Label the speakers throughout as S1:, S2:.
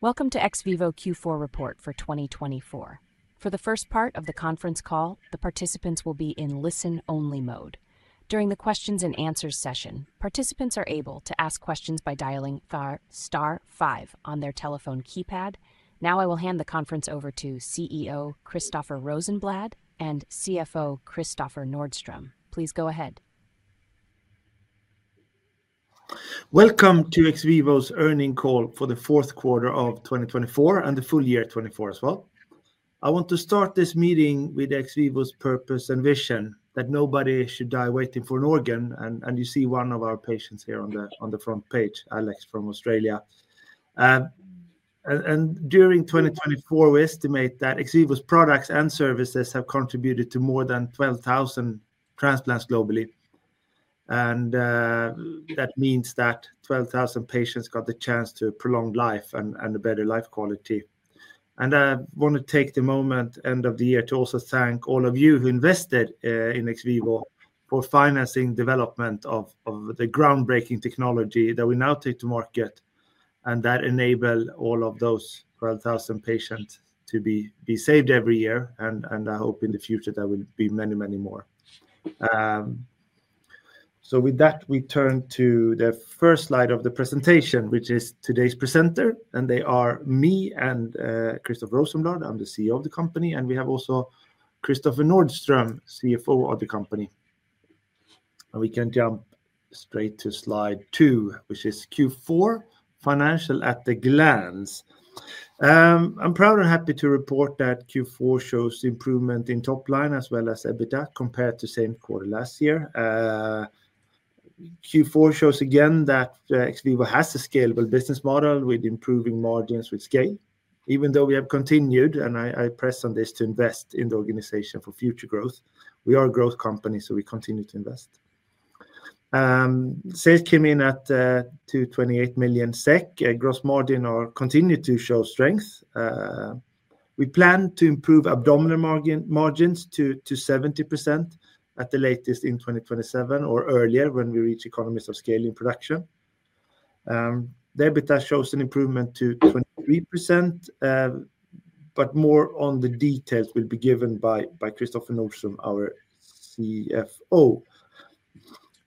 S1: Welcome to XVIVO Q4 Report for 2024. For the first part of the conference call, the participants will be in listen-only mode. During the Q&A session, participants are able to ask questions by dialing ******** 5 on their telephone keypad. Now I will hand the conference over to CEO Christoffer Rosenblad and CFO Kristoffer Nordström. Please go ahead.
S2: Welcome to XVIVO's earnings call for the fourth quarter of 2024, and the full year 2024 as well. I want to start this meeting with XVIVO's purpose and vision: that nobody should die waiting for an organ. You see one of our patients here on the front page, Alex from Australia. During 2024, we estimate that XVIVO's products and services have contributed to more than 12,000 transplants globally. That means that 12,000 patients got the chance to have prolonged life and a better life quality. I want to take the moment, end of the year, to also thank all of you who invested in XVIVO for financing the development of the groundbreaking technology that we now take to market and that enables all of those 12,000 patients to be saved every year. I hope in the future there will be many, many more. With that, we turn to the first slide of the presentation, which is today's presenter, and they are me and Christoffer Rosenblad. I'm the CEO of the company, and we have also Kristoffer Nordström, CFO of the company. We can jump straight to slide two, which is Q4 financial at a glance. I'm proud and happy to report that Q4 shows improvement in top line as well as EBITDA compared to the same quarter last year. Q4 shows again that XVIVO has a scalable business model with improving margins with scale. Even though we have continued, and I press on this, to invest in the organization for future growth. We are a growth company, so we continue to invest. Sales came in at 228 million SEK. Gross margin continues to show strength. We plan to improve abdominal margins to 70% at the latest in 2027 or earlier when we reach economies of scale in production. The EBITDA shows an improvement to 23%, but more on the details will be given by Kristoffer Nordström, our CFO.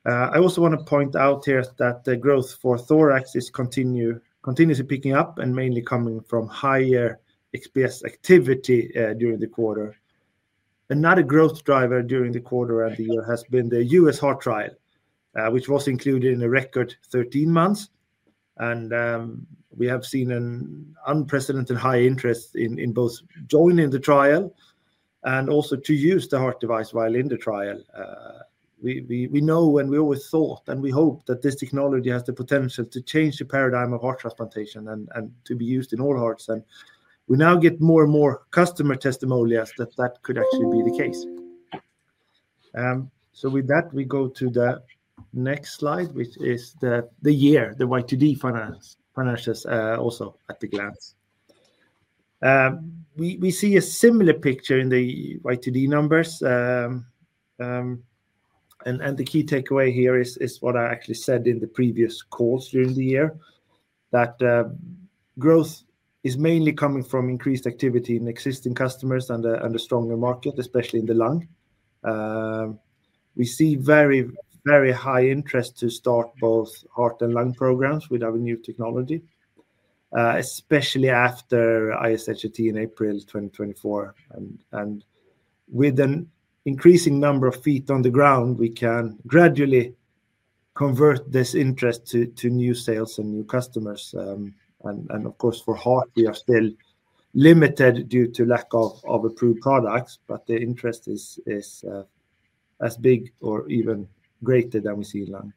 S2: I also want to point out here that the growth for Thorax is continuously picking up and mainly coming from higher XPS activity during the quarter. Another growth driver during the quarter and the year has been the U.S. heart trial, which was included in a record 13 months. And we have seen an unprecedented high interest in both joining the trial and also to use the heart device while in the trial. We know and we always thought and we hope that this technology has the potential to change the paradigm of heart transplantation and to be used in all hearts. We now get more and more customer testimonials that that could actually be the case. With that, we go to the next slide, which is the year-to-date financials also at a glance. We see a similar picture in the YTD numbers. The key takeaway here is what I actually said in the previous calls during the year, that growth is mainly coming from increased activity in existing customers and a stronger market, especially in the lung. We see very, very high interest to start both heart and lung programs with our new technology, especially after ISHLT in April 2024. With an increasing number of feet on the ground, we can gradually convert this interest to new sales and new customers. And of course, for heart, we are still limited due to lack of approved products, but the interest is as big or even greater than we see in lung.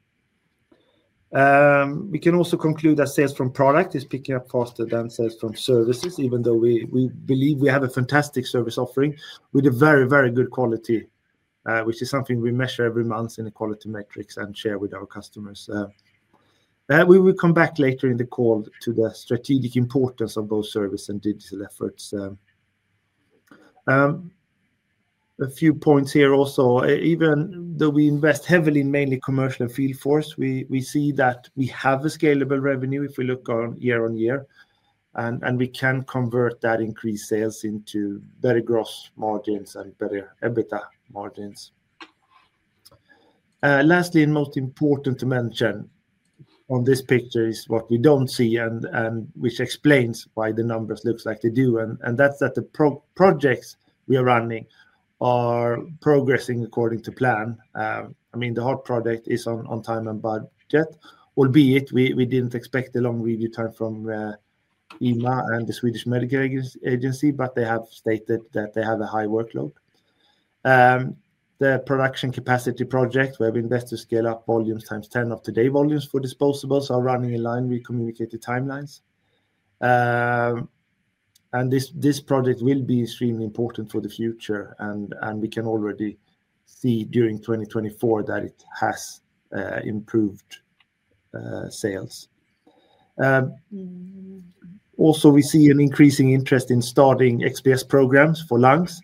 S2: We can also conclude that sales from product is picking up faster than sales from services, even though we believe we have a fantastic service offering with a very, very good quality, which is something we measure every month in the quality metrics and share with our customers. We will come back later in the call to the strategic importance of both service and digital efforts. A few points here also, even though we invest heavily in mainly commercial and field force, we see that we have a scalable revenue if we look year on year. And we can convert that increased sales into better gross margins and better EBITDA margins. Lastly, and most important to mention on this picture is what we don't see, and which explains why the numbers look like they do, and that's that the projects we are running are progressing according to plan. I mean, the heart project is on time and budget, albeit we didn't expect a long review time from EMA and the Swedish Medical Agency, but they have stated that they have a high workload. The production capacity project, where we invest to scale up volumes times 10 of today's volumes for disposables, are running in line. We communicate the timelines, and this project will be extremely important for the future, and we can already see during 2024 that it has improved sales. Also, we see an increasing interest in starting XPS programs for lungs,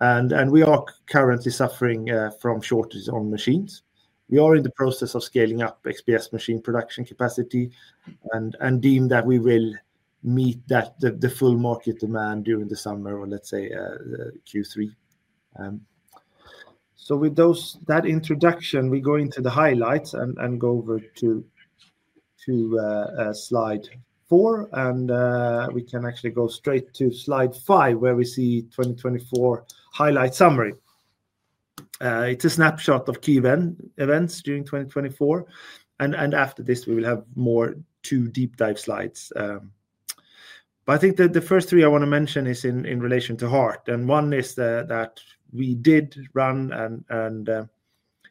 S2: and we are currently suffering from shortages on machines. We are in the process of scaling up XPS machine production capacity and deem that we will meet the full market demand during the summer or, let's say, Q3, so with that introduction, we go into the highlights and go over to slide four, and we can actually go straight to slide five, where we see 2024 highlight summary. It's a snapshot of key events during 2024, and after this, we will have more two deep-dive slides, but I think the first three I want to mention is in relation to heart, and one is that we did run, and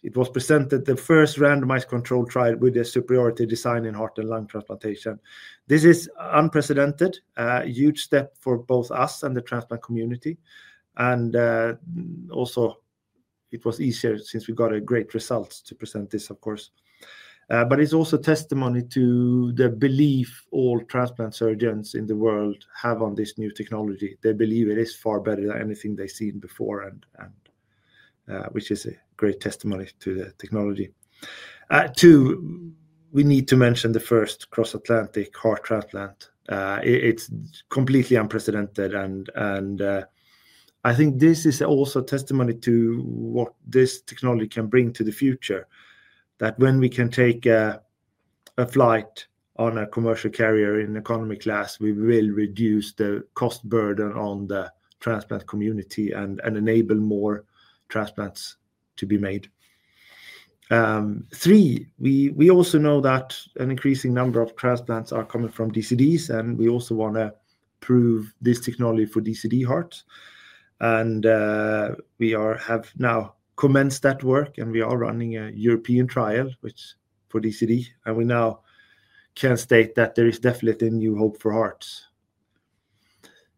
S2: it was presented, the first randomized controlled trial with a superiority design in heart and lung transplantation. This is unprecedented, a huge step for both us and the transplant community, and also, it was easier since we got great results to present this, of course. But it's also testimony to the belief all transplant surgeons in the world have on this new technology. They believe it is far better than anything they've seen before, which is a great testimony to the technology. Two, we need to mention the first cross-Atlantic heart transplant. It's completely unprecedented. And I think this is also testimony to what this technology can bring to the future, that when we can take a flight on a commercial carrier in economy class, we will reduce the cost burden on the transplant community and enable more transplants to be made. Three, we also know that an increasing number of transplants are coming from DCDs, and we also want to prove this technology for DCD hearts. And we have now commenced that work, and we are running a European trial for DCD, and we now can state that there is definitely new hope for hearts.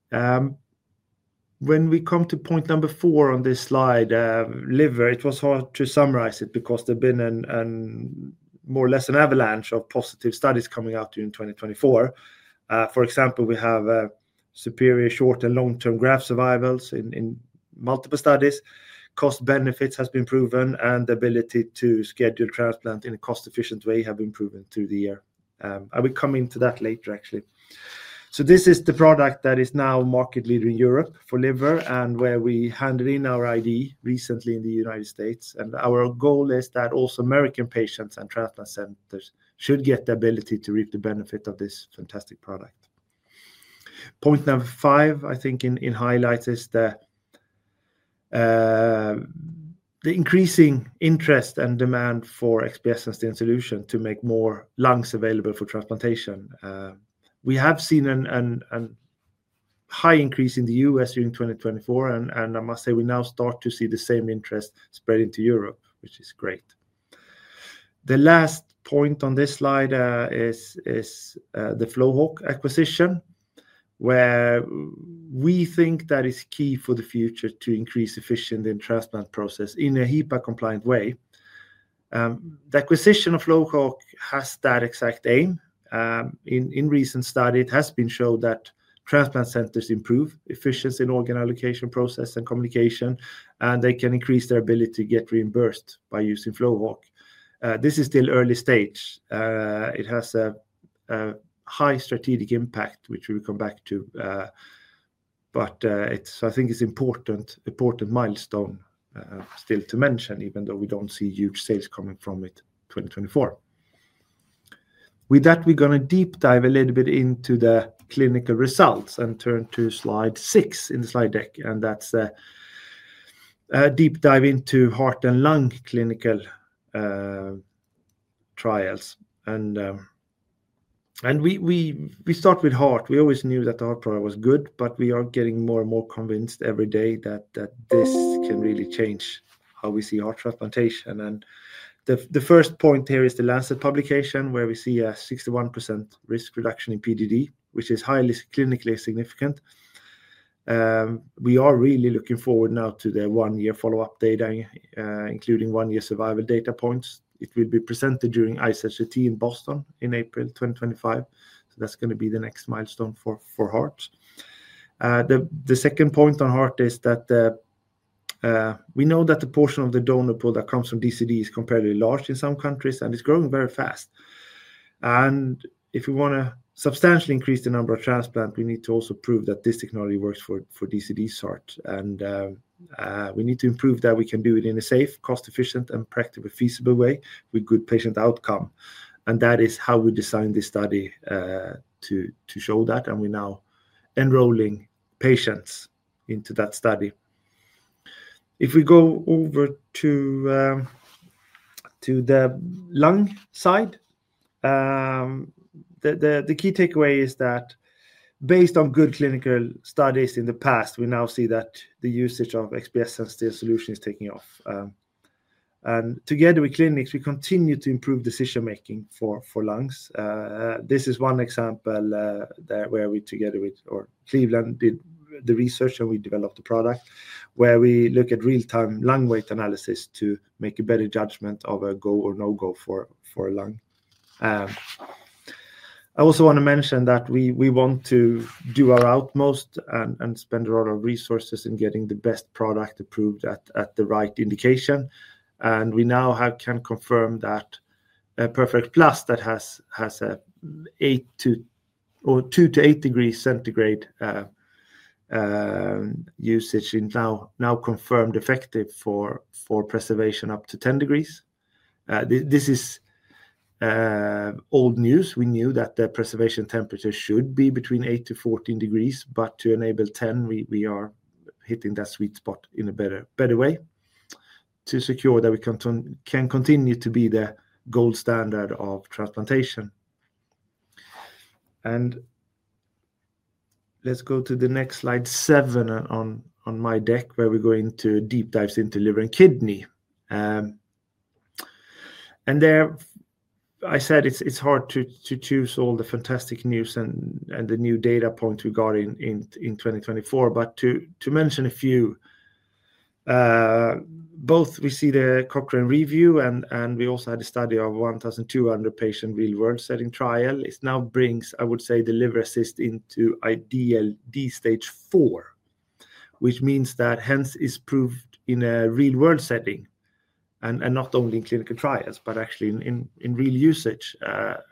S2: When we come to point number four on this slide, liver, it was hard to summarize it because there have been more or less an avalanche of positive studies coming out during 2024. For example, we have superior short and long-term graft survivals in multiple studies. Cost benefits have been proven, and the ability to schedule transplant in a cost-efficient way has been proven through the year. I will come into that later, actually. So this is the product that is now market-leader in Europe for liver, and where we handed in our IDE recently in the United States. And our goal is that also American patients and transplant centers should get the ability to reap the benefit of this fantastic product. Point number five, I think, in highlight is the increasing interest and demand for XPS and STEEN solution to make more lungs available for transplantation. We have seen a high increase in the US during 2024, and I must say we now start to see the same interest spread into Europe, which is great. The last point on this slide is the FlowHawk acquisition, where we think that is key for the future to increase efficiency in the transplant process in a HIPAA-compliant way. The acquisition of FlowHawk has that exact aim. In recent studies, it has been shown that transplant centers improve efficiency in organ allocation process and communication, and they can increase their ability to get reimbursed by using FlowHawk. This is still early stage. It has a high strategic impact, which we will come back to, but I think it's an important milestone still to mention, even though we don't see huge sales coming from it in 2024. With that, we're going to deep dive a little bit into the clinical results and turn to slide six in the slide deck, and that's a deep dive into heart and lung clinical trials, and we start with heart. We always knew that the heart product was good, but we are getting more and more convinced every day that this can really change how we see heart transplantation, and the first point here is the Lancet publication, where we see a 61% risk reduction in PGD, which is highly clinically significant. We are really looking forward now to the one-year follow-up data, including one-year survival data points. It will be presented during ISHLT in Boston in April 2025, so that's going to be the next milestone for heart. The second point on heart is that we know that the portion of the donor pool that comes from DCD is comparatively large in some countries, and it's growing very fast, and if we want to substantially increase the number of transplants, we need to also prove that this technology works for DCD heart. And we need to prove that we can do it in a safe, cost-efficient, and practically feasible way with good patient outcome, and that is how we designed this study to show that, and we're now enrolling patients into that study. If we go over to the lung side, the key takeaway is that based on good clinical studies in the past, we now see that the usage of XPS and STEEN Solution is taking off, and together with clinics, we continue to improve decision-making for lungs. This is one example where we together with Cleveland did the research and we developed the product, where we look at real-time lung weight analysis to make a better judgment of a go or no go for a lung. I also want to mention that we want to do our utmost and spend a lot of resources in getting the best product approved at the right indication, and we now can confirm that Perfadex Plus that has a two to eight degrees Celsius usage is now confirmed effective for preservation up to 10 degrees. This is old news. We knew that the preservation temperature should be between 8 to 14 degrees, but to enable 10, we are hitting that sweet spot in a better way to secure that we can continue to be the gold standard of transplantation, and let's go to the next slide, seven on my deck, where we go into deep dives into liver and kidney, and there, I said it's hard to choose all the fantastic news and the new data points we got in 2024, but to mention a few, both we see the Cochrane review and we also had a study of 1,200 patients real-world setting trial. It now brings, I would say, the Liver Assist into IDEAL stage four, which means that it has been proved in a real-world setting and not only in clinical trials, but actually in real usage.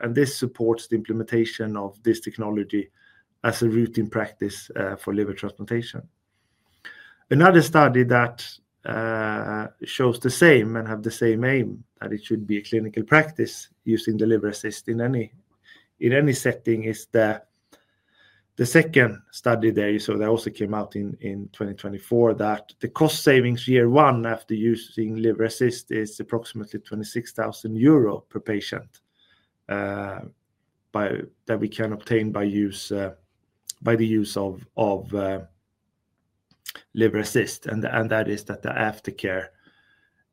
S2: This supports the implementation of this technology as a routine practice for liver transplantation. Another study that shows the same and has the same aim that it should be a clinical practice using the Liver Assist in any setting is the second study there. That also came out in 2024 that the cost savings year one after using Liver Assist is approximately 26,000 euro per patient that we can obtain by the use of Liver Assist. That is the aftercare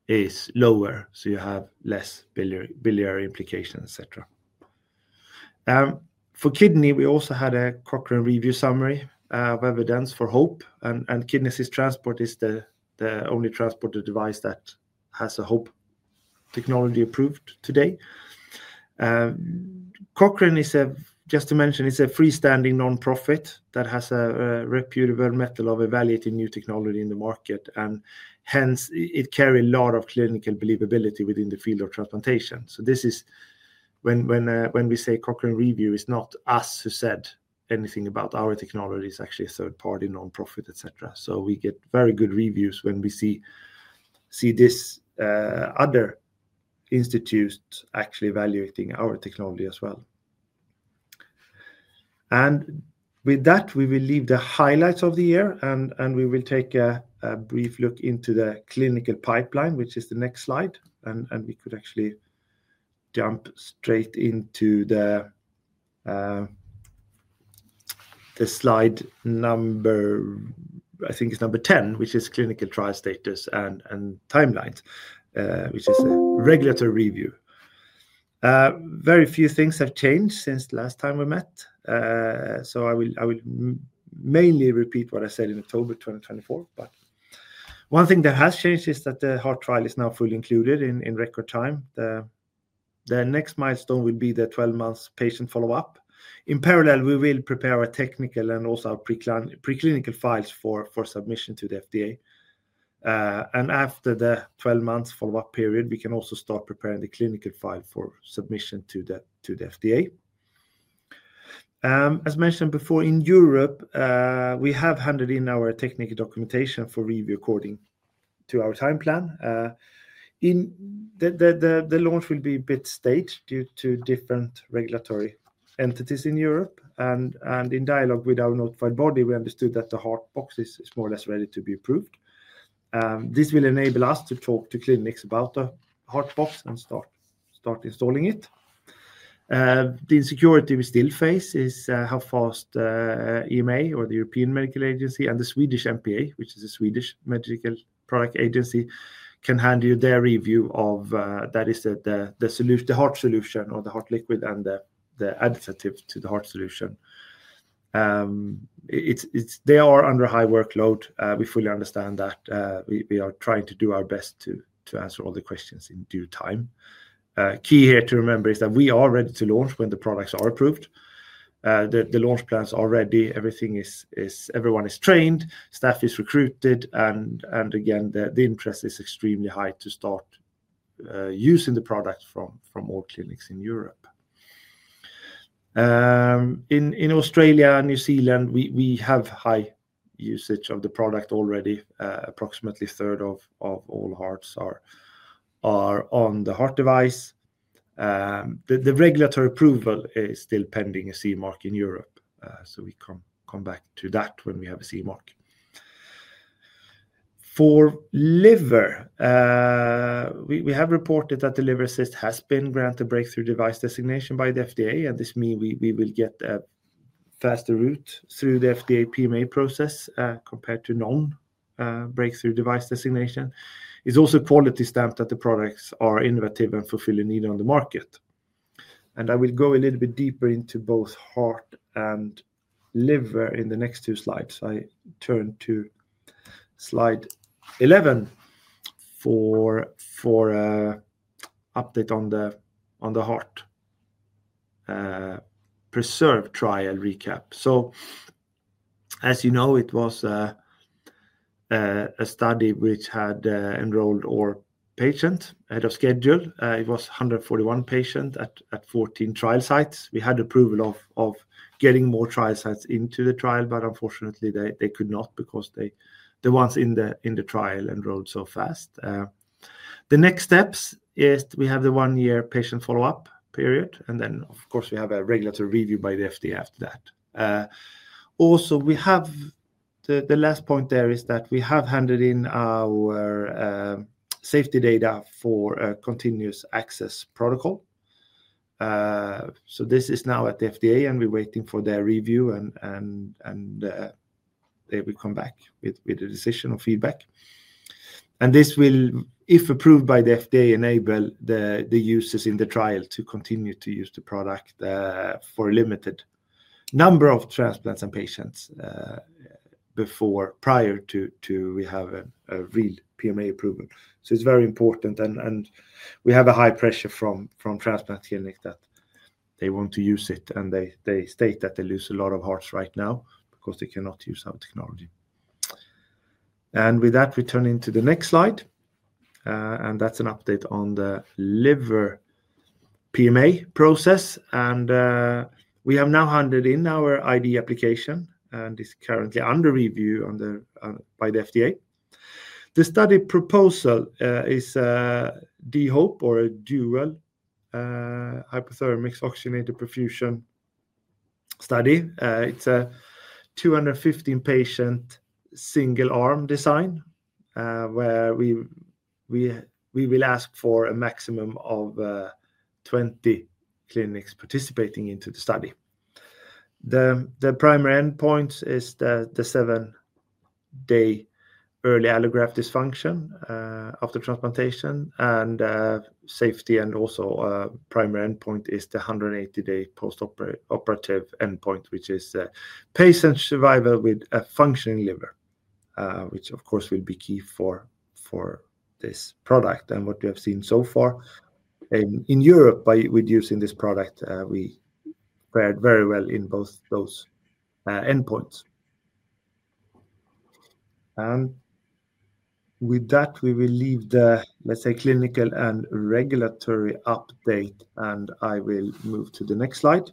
S2: is lower, so you have less biliary implications, etc. For kidney, we also had a Cochrane review summary of evidence for HOPE. Kidney Assist Transport is the only transport device that has a HOPE technology approved today. Cochrane is, just to mention, it's a freestanding nonprofit that has a reputable method of evaluating new technology in the market. And hence, it carries a lot of clinical believability within the field of transplantation. So this is when we say Cochrane review is not us who said anything about our technology is actually a third-party nonprofit, etc. So we get very good reviews when we see this other institute actually evaluating our technology as well. And with that, we will leave the highlights of the year, and we will take a brief look into the clinical pipeline, which is the next slide. And we could actually jump straight into the slide number, I think it's number 10, which is clinical trial status and timelines, which is a regulatory review. Very few things have changed since the last time we met. So I will mainly repeat what I said in October 2024. But one thing that has changed is that the heart trial is now fully included in record time. The next milestone will be the 12-month patient follow-up. In parallel, we will prepare our technical and also our preclinical files for submission to the FDA. After the 12-month follow-up period, we can also start preparing the clinical file for submission to the FDA. As mentioned before, in Europe, we have handed in our technical documentation for review according to our time plan. The launch will be a bit staged due to different regulatory entities in Europe. In dialogue with our notified body, we understood that the Heart Box is more or less ready to be approved. This will enable us to talk to clinics about the Heart Box and start installing it. The insecurity we still face is how fast EMA or the European Medicines Agency and the Swedish MPA, which is a Swedish Medical Products Agency, can hand you their review of that is the heart solution or the heart liquid and the additive to the heart solution. They are under high workload. We fully understand that. We are trying to do our best to answer all the questions in due time. Key here to remember is that we are ready to launch when the products are approved. The launch plans are ready. Everyone is trained. Staff is recruited. And again, the interest is extremely high to start using the product from all clinics in Europe. In Australia and New Zealand, we have high usage of the product already. Approximately a third of all hearts are on the heart device. The regulatory approval is still pending a CE mark in Europe. We come back to that when we have a CE mark. For liver, we have reported that the Liver Assist has been granted a breakthrough device designation by the FDA. This means we will get a faster route through the FDA PMA process compared to non-breakthrough device designation. It's also quality stamped that the products are innovative and fulfill the need on the market. I will go a little bit deeper into both heart and liver in the next two slides. I turn to slide 11 for an update on the heart PRESERVE trial recap. As you know, it was a study which had enrolled all patients ahead of schedule. It was 141 patients at 14 trial sites. We had approval of getting more trial sites into the trial, but unfortunately, they could not because the ones in the trial enrolled so fast. The next step is we have the one-year patient follow-up period, and then, of course, we have a regulatory review by the FDA after that. Also, the last point there is that we have handed in our safety data for a continuous access protocol, so this is now at the FDA, and we're waiting for their review, and they will come back with a decision or feedback, and this will, if approved by the FDA, enable the users in the trial to continue to use the product for a limited number of transplants and patients prior to we have a real PMA approval, so it's very important, and we have a high pressure from transplant clinics that they want to use it, and they state that they lose a lot of hearts right now because they cannot use our technology, and with that, we turn into the next slide. That's an update on the liver PMA process. We have now handed in our IDE application, and it's currently under review by the FDA. The study proposal is D-HOPE or a dual hypothermic oxygenated perfusion study. It's a 215-patient single-arm design where we will ask for a maximum of 20 clinics participating into the study. The primary endpoint is the seven-day early allograft dysfunction after transplantation. Safety and also a primary endpoint is the 180-day post-operative endpoint, which is patient survival with a functioning liver, which, of course, will be key for this product and what we have seen so far. In Europe, by using this product, we fared very well in both those endpoints. With that, we will leave the, let's say, clinical and regulatory update. I will move to the next slide,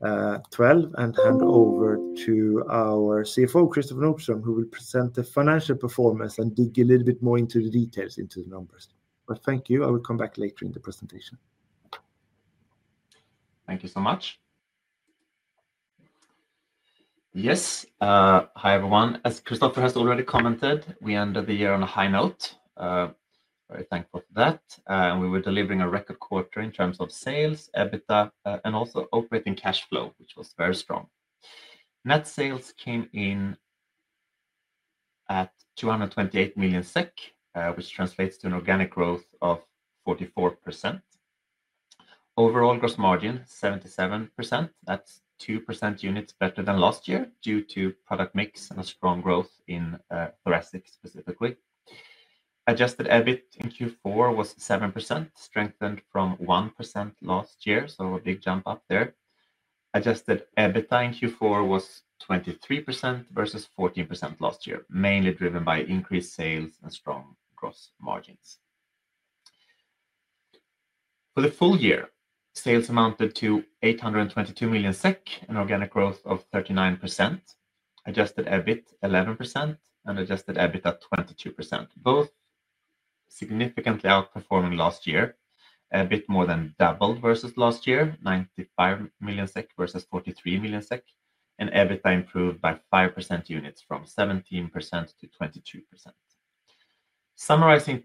S2: 12, and hand over to our CFO, Kristoffer Nordström, who will present the financial performance and dig a little bit more into the details into the numbers. Thank you. I will come back later in the presentation.
S3: Thank you so much. Yes. Hi, everyone. As Christoffer has already commented, we ended the year on a high note. Very thankful for that. We were delivering a record quarter in terms of sales, EBITDA, and also operating cash flow, which was very strong. Net sales came in at 228 million SEK, which translates to an organic growth of 44%. Overall gross margin, 77%, that's 2% units better than last year due to product mix and a strong growth in thoracic specifically. Adjusted EBIT in Q4 was 7%, strengthened from 1% last year, so a big jump up there. Adjusted EBITDA in Q4 was 23% versus 14% last year, mainly driven by increased sales and strong gross margins. For the full year, sales amounted to 822 million SEK, an organic growth of 39%, adjusted EBIT 11%, and adjusted EBITDA at 22%, both significantly outperforming last year. EBIT more than doubled versus last year, 95 million SEK versus 43 million SEK, and EBITDA improved by 5% units from 17% to 22%. Summarizing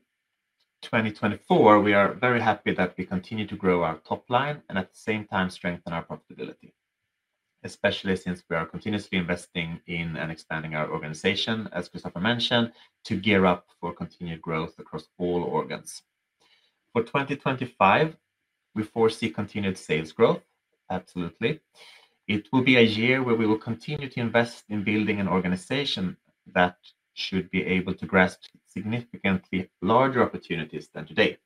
S3: 2024, we are very happy that we continue to grow our top line and at the same time strengthen our profitability, especially since we are continuously investing in and expanding our organization, as Christoffer mentioned, to gear up for continued growth across all organs. For 2025, we foresee continued sales growth. Absolutely. It will be a year where we will continue to invest in building an organization that should be able to grasp significantly larger opportunities than today.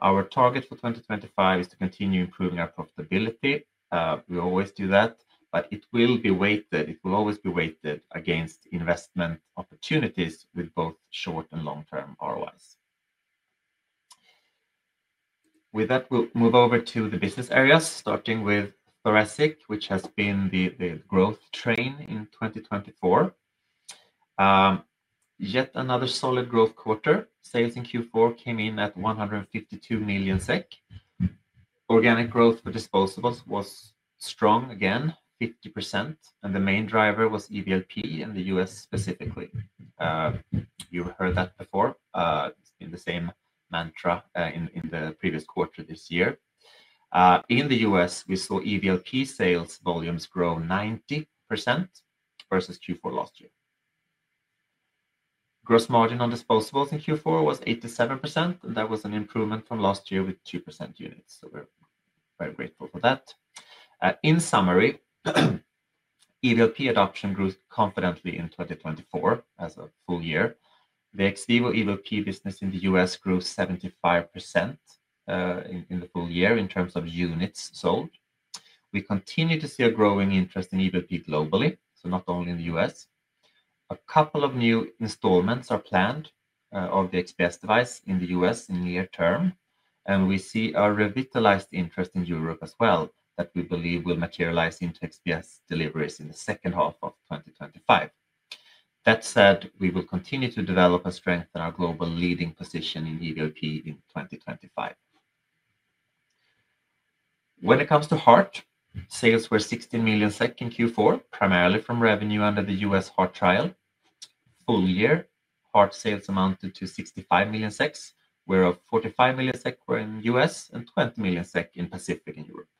S3: Our target for 2025 is to continue improving our profitability. We always do that, but it will be weighted. It will always be weighted against investment opportunities with both short and long-term ROIs. With that, we'll move over to the business areas, starting with thoracic, which has been the growth train in 2024. Yet another solid growth quarter. Sales in Q4 came in at 152 million SEK. Organic growth for disposables was strong again, 50%. And the main driver was EVLP in the U.S. specifically. You heard that before in the same mantra in the previous quarter this year. In the U.S., we saw EVLP sales volumes grow 90% versus Q4 last year. Gross margin on disposables in Q4 was 87%, and that was an improvement from last year with 2% units. So we're very grateful for that. In summary, EVLP adoption grew confidently in 2024 as a full year. The ex vivo EVLP business in the US grew 75% in the full year in terms of units sold. We continue to see a growing interest in EVLP globally, so not only in the US. A couple of new installments are planned of the XPS device in the US in near term. We see a revitalized interest in Europe as well that we believe will materialize into XPS deliveries in the second half of 2025. That said, we will continue to develop and strengthen our global leading position in EVLP in 2025. When it comes to heart, sales were 16 million in Q4, primarily from revenue under the US heart trial. Full year, heart sales amounted to 65 million, whereof 45 million SEK were in the US and 20 million SEK in Pacific and Europe.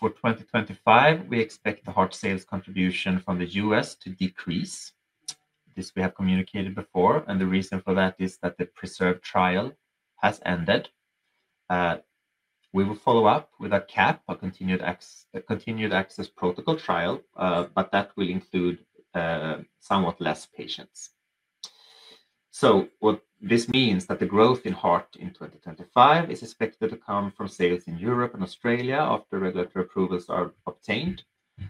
S3: For 2025, we expect the heart sales contribution from the US to decrease. This we have communicated before. And the reason for that is that the PRESERVE trial has ended. We will follow up with a CAP, a continued access protocol trial, but that will include somewhat less patients. So what this means is that the growth in heart in 2025 is expected to come from sales in Europe and Australia after regulatory approvals are obtained,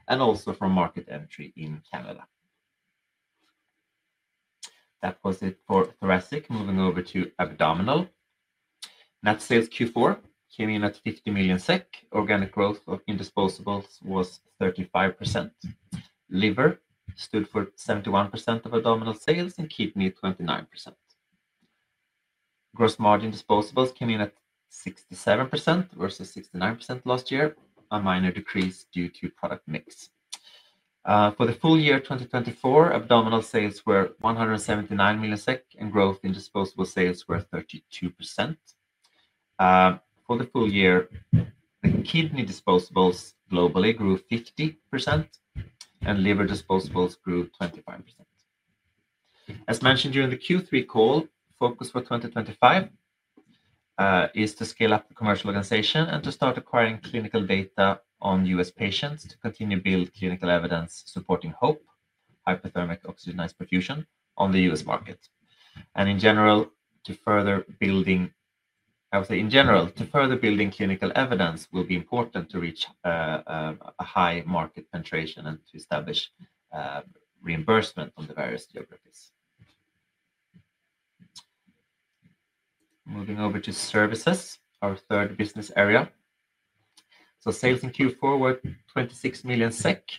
S3: and also from market entry in Canada. That was it for thoracic. Moving over to abdominal. Net sales Q4 came in at 50 million SEK. Organic growth in disposables was 35%. Liver stood for 71% of abdominal sales and kidney 29%. Gross margin disposables came in at 67% versus 69% last year, a minor decrease due to product mix. For the full year 2024, abdominal sales were 179 million SEK, and growth in disposable sales were 32%. For the full year, the kidney disposables globally grew 50%, and liver disposables grew 25%. As mentioned during the Q3 call, focus for 2025 is to scale up the commercial organization and to start acquiring clinical data on U.S. patients to continue to build clinical evidence supporting HOPE, hypothermic oxygenated perfusion, on the U.S. market, and in general, to further building, I would say in general, to further building clinical evidence will be important to reach a high market penetration and to establish reimbursement on the various geographies. Moving over to services, our third business area, so sales in Q4 were 26 million SEK.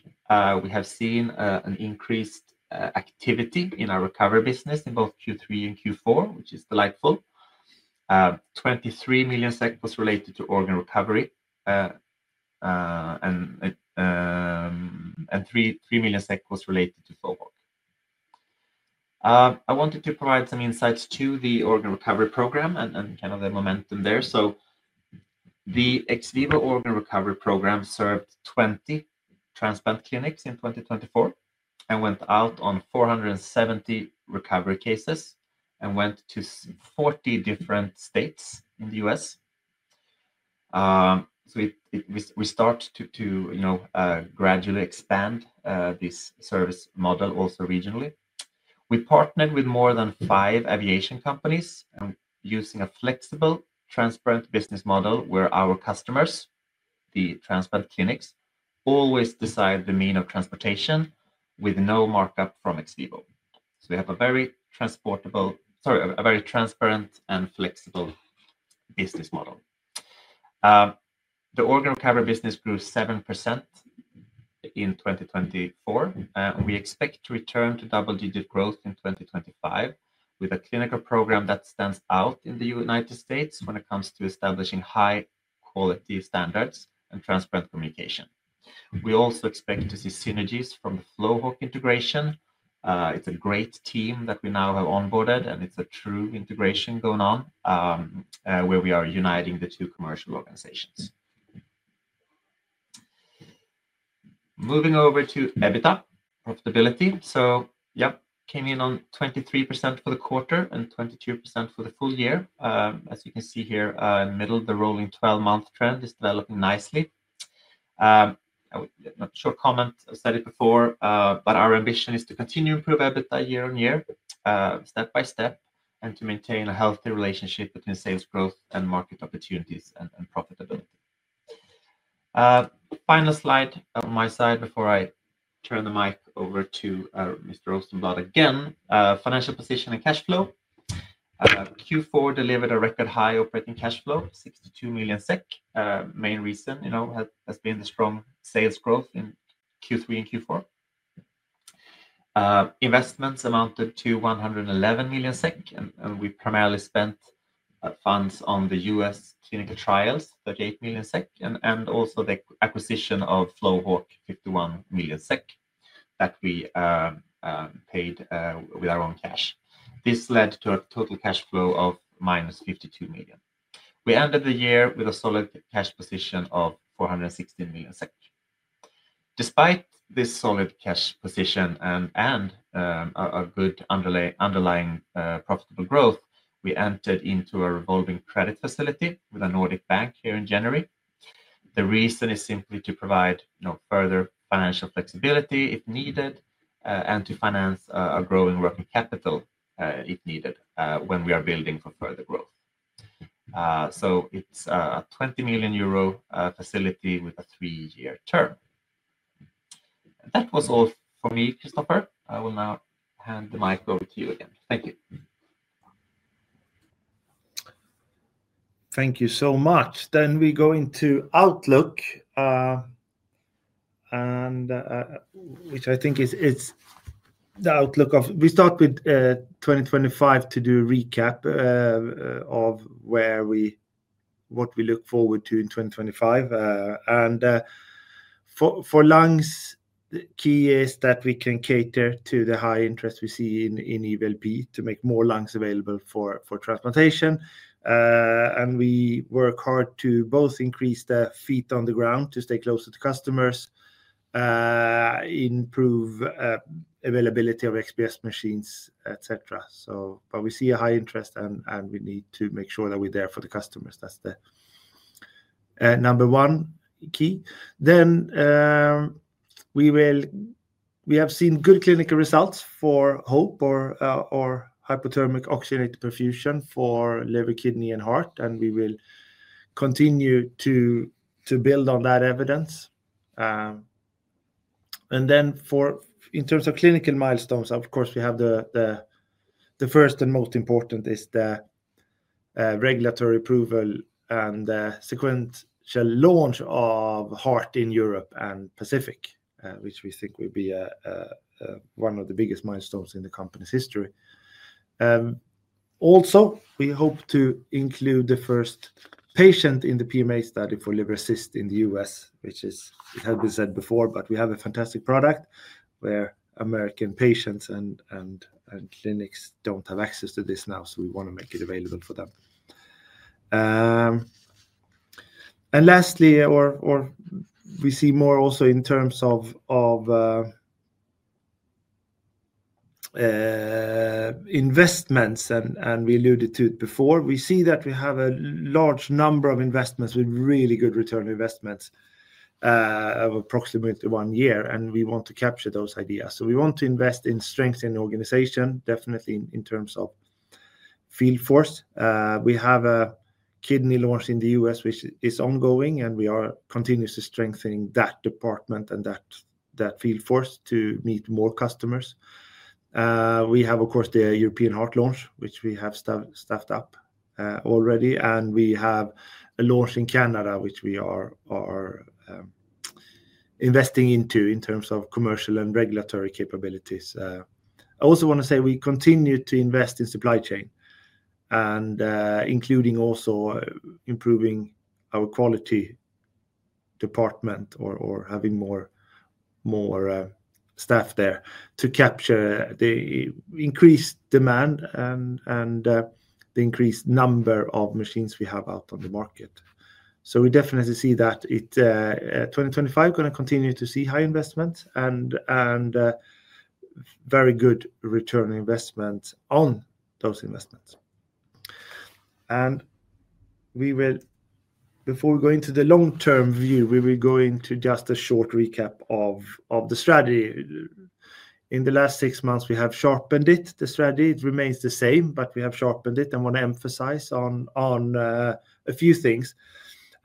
S3: We have seen an increased activity in our recovery business in both Q3 and Q4, which is delightful. 23 million SEK was related to organ recovery, and 3 million was related to FlowHawk. I wanted to provide some insights to the organ recovery program and kind of the momentum there. So the ex vivo organ recovery program served 20 transplant clinics in 2024 and went out on 470 recovery cases and went to 40 different states in the U.S. So we start to gradually expand this service model also regionally. We partnered with more than five aviation companies using a flexible, transparent business model where our customers, the transplant clinics, always decide the means of transportation with no markup from ex vivo. So we have a very transportable, sorry, a very transparent and flexible business model. The organ recovery business grew 7% in 2024. We expect to return to double-digit growth in 2025 with a clinical program that stands out in the United States when it comes to establishing high-quality standards and transparent communication. We also expect to see synergies from the FlowHawk integration. It's a great team that we now have onboarded, and it's a true integration going on where we are uniting the two commercial organizations. Moving over to EBITDA, profitability. So yeah, came in on 23% for the quarter and 22% for the full year. As you can see here, in the middle, the rolling 12-month trend is developing nicely. Short comment, I said it before, but our ambition is to continue to improve EBITDA year on year, step by step, and to maintain a healthy relationship between sales growth and market opportunities and profitability. Final slide on my side before I turn the mic over to Mr. Rosenblad again. Financial position and cash flow. Q4 delivered a record high operating cash flow, 62 million SEK. Main reason has been the strong sales growth in Q3 and Q4. Investments amounted to 111 million SEK, and we primarily spent funds on the U.S. clinical trials, 38 million SEK, and also the acquisition of FlowHawk, 51 million SEK that we paid with our own cash. This led to a total cash flow of minus 52 million. We ended the year with a solid cash position of 416 million. Despite this solid cash position and a good underlying profitable growth, we entered into a revolving credit facility with a Nordic bank here in January. The reason is simply to provide further financial flexibility if needed and to finance our growing working capital if needed when we are building for further growth. So it's a 20 million euro facility with a three-year term. That was all for me, Christoffer. I will now hand the mic over to you again.
S2: Thank you. Thank you so much. Then we go into Outlook, which I think is the outlook of we start with 2025 to do a recap of what we look forward to in 2025. And for lungs, the key is that we can cater to the high interest we see in EVLP to make more lungs available for transplantation. And we work hard to both increase the feet on the ground to stay closer to customers, improve availability of XPS machines, etc. So we see a high interest, and we need to make sure that we're there for the customers. That's the number one key. Then we have seen good clinical results for HOPE or hypothermic oxygenated perfusion for liver, kidney, and heart, and we will continue to build on that evidence. And then in terms of clinical milestones, of course, we have the first and most important is the regulatory approval and sequential launch of heart in Europe and Pacific, which we think will be one of the biggest milestones in the company's history. Also, we hope to include the first patient in the PMA study for Liver Assist in the U.S., which has been said before, but we have a fantastic product where American patients and clinics don't have access to this now, so we want to make it available for them. And lastly, we see more also in terms of investments, and we alluded to it before. We see that we have a large number of investments with really good return investments of approximately one year, and we want to capture those ideas. So we want to invest in strengthening the organization, definitely in terms of field force. We have a kidney launch in the U.S., which is ongoing, and we are continuously strengthening that department and that field force to meet more customers. We have, of course, the European heart launch, which we have staffed up already, and we have a launch in Canada, which we are investing into in terms of commercial and regulatory capabilities. I also want to say we continue to invest in supply chain, including also improving our quality department or having more staff there to capture the increased demand and the increased number of machines we have out on the market. So we definitely see that 2025 is going to continue to see high investments and very good return investments on those investments. And before we go into the long-term view, we will go into just a short recap of the strategy. In the last six months, we have sharpened it, the strategy. It remains the same, but we have sharpened it and want to emphasize on a few things,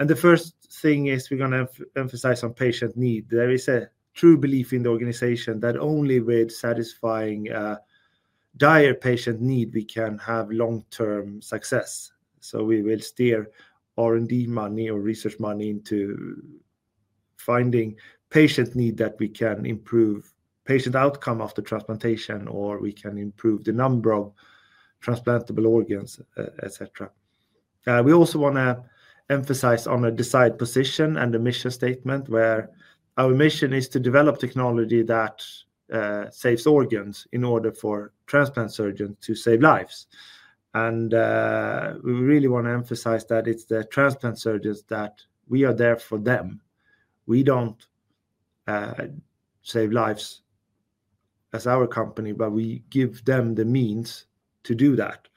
S2: and the first thing is we're going to emphasize on patient need. There is a true belief in the organization that only with satisfying dire patient need, we can have long-term success. So we will steer R&D money or research money into finding patient need that we can improve patient outcome after transplantation, or we can improve the number of transplantable organs, etc. We also want to emphasize on a decisive position and a mission statement where our mission is to develop technology that saves organs in order for transplant surgeons to save lives, and we really want to emphasize that it's the transplant surgeons that we are there for them. We don't save lives as our company, but we give them the means to do that.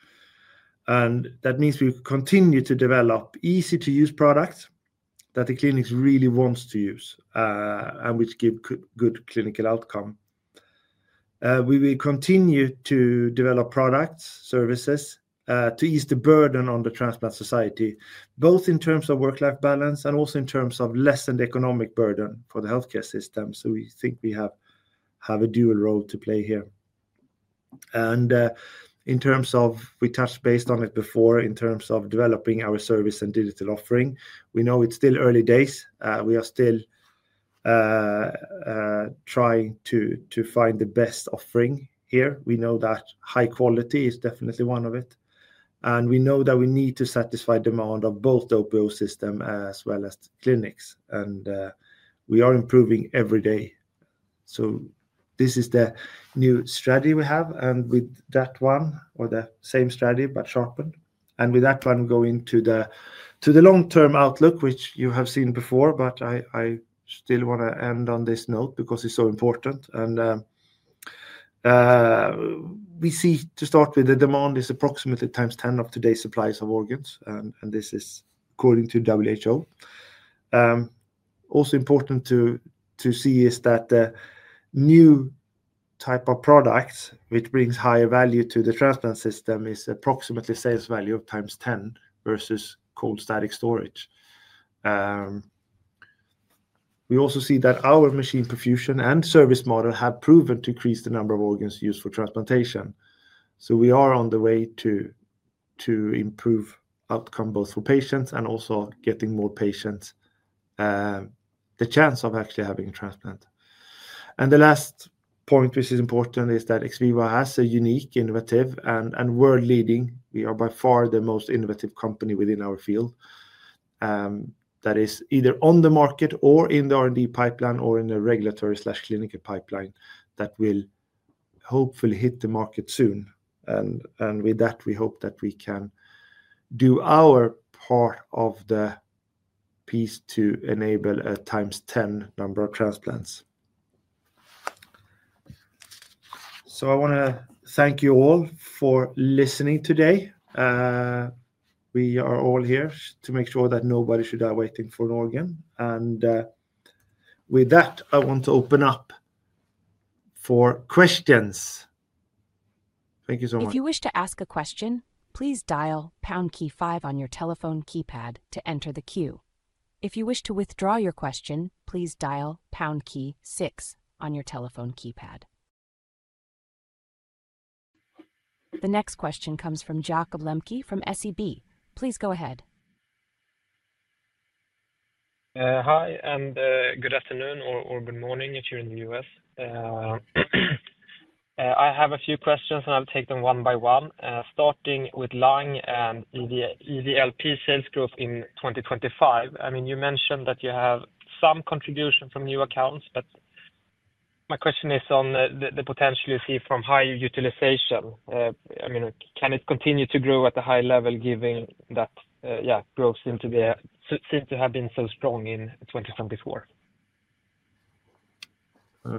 S2: And that means we continue to develop easy-to-use products that the clinics really want to use and which give good clinical outcome. We will continue to develop products, services to ease the burden on the transplant society, both in terms of work-life balance and also in terms of lessened economic burden for the healthcare system. So we think we have a dual role to play here. And in terms of, we touched base on it before, in terms of developing our service and digital offering, we know it's still early days. We are still trying to find the best offering here. We know that high quality is definitely one of it. And we know that we need to satisfy demand of both the OPO system as well as clinics. And we are improving every day. So this is the new strategy we have, and with that one or the same strategy, but sharpened. And with that, I'm going to the long-term outlook, which you have seen before, but I still want to end on this note because it's so important. And we see to start with the demand is approximately times 10 of today's supplies of organs. And this is according to WHO. Also important to see is that the new type of products which brings higher value to the transplant system is approximately sales value of times 10 versus cold static storage. We also see that our machine perfusion and service model have proven to increase the number of organs used for transplantation. So we are on the way to improve outcome both for patients and also getting more patients the chance of actually having a transplant. The last point, which is important, is that XVIVO has a unique innovative and world-leading. We are by far the most innovative company within our field that is either on the market or in the R&D pipeline or in the regulatory/clinical pipeline that will hopefully hit the market soon. And with that, we hope that we can do our part of the puzzle to enable a times 10 number of transplants. So I want to thank you all for listening today. We are all here to make sure that nobody should die waiting for an organ. And with that, I want to open up for questions. Thank you so much.
S1: If you wish to ask a question, please dial pound key five on your telephone keypad to enter the queue. If you wish to withdraw your question, please dial pound key six on your telephone keypad. The next question comes from Jakob Lembke from SEB. Please go ahead.
S4: Hi and good afternoon or good morning if you're in the US. I have a few questions and I'll take them one by one. Starting with lung and EVLP sales growth in 2025. I mean, you mentioned that you have some contribution from new accounts, but my question is on the potential you see from high utilization. I mean, can it continue to grow at a high level given that, yeah, growth seems to have been so strong in 2024?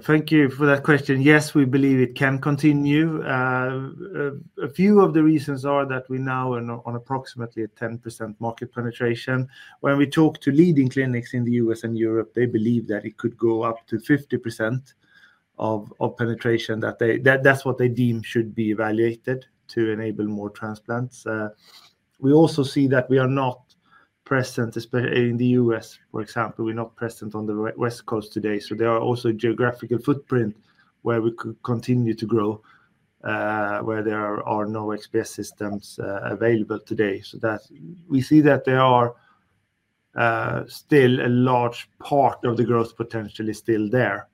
S2: Thank you for that question. Yes, we believe it can continue. A few of the reasons are that we now are on approximately 10% market penetration. When we talk to leading clinics in the US and Europe, they believe that it could go up to 50% penetration. That's what they deem should be evaluated to enable more transplants. We also see that we are not present, especially in the U.S., for example. We're not present on the West Coast today. So there are also geographical footprints where we could continue to grow, where there are no XPS systems available today. So we see that there are still a large part of the growth potential is still there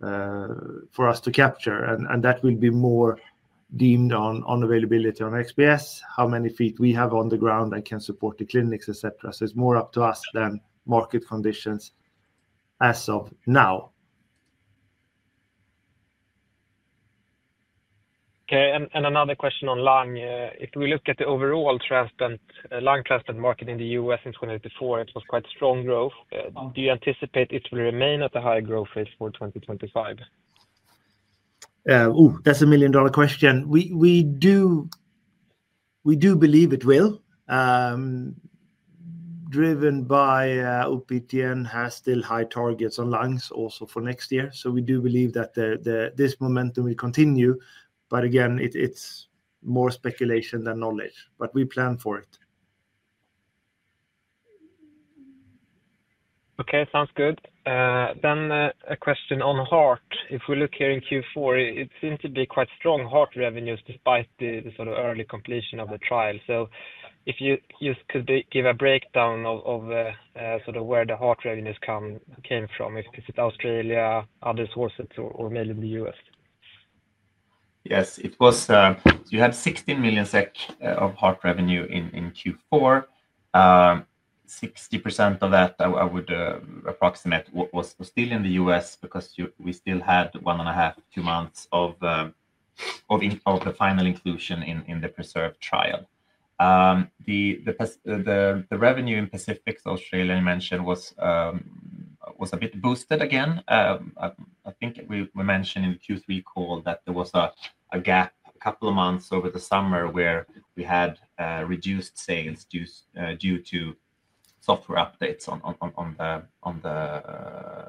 S2: for us to capture. And that will be more determined on availability on XPS, how many feet we have on the ground that can support the clinics, etc. So it's more up to us than market conditions as of now.
S4: Okay. And another question on lung. If we look at the overall lung transplant market in the U.S. in 2024, it was quite strong growth. Do you anticipate it will remain at a high growth rate for 2025?
S2: Oh, that's a million-dollar question. We do believe it will. Driven by OPTN has still high targets on lungs also for next year. So we do believe that this momentum will continue. But again, it's more speculation than knowledge, but we plan for it.
S4: Okay, sounds good. Then a question on heart. If we look here in Q4, it seemed to be quite strong heart revenues despite the sort of early completion of the trial. So if you could give a breakdown of sort of where the heart revenues came from, is it Australia, other sources, or mainly the U.S.?
S3: Yes, it was. You had 16 million SEK of heart revenue in Q4. 60% of that, I would approximate, was still in the U.S. because we still had one and a half, two months of the final inclusion in the PRESERVE trial. The revenue in Pacific Australia, you mentioned, was a bit boosted again. I think we mentioned in the Q3 call that there was a gap a couple of months over the summer where we had reduced sales due to software updates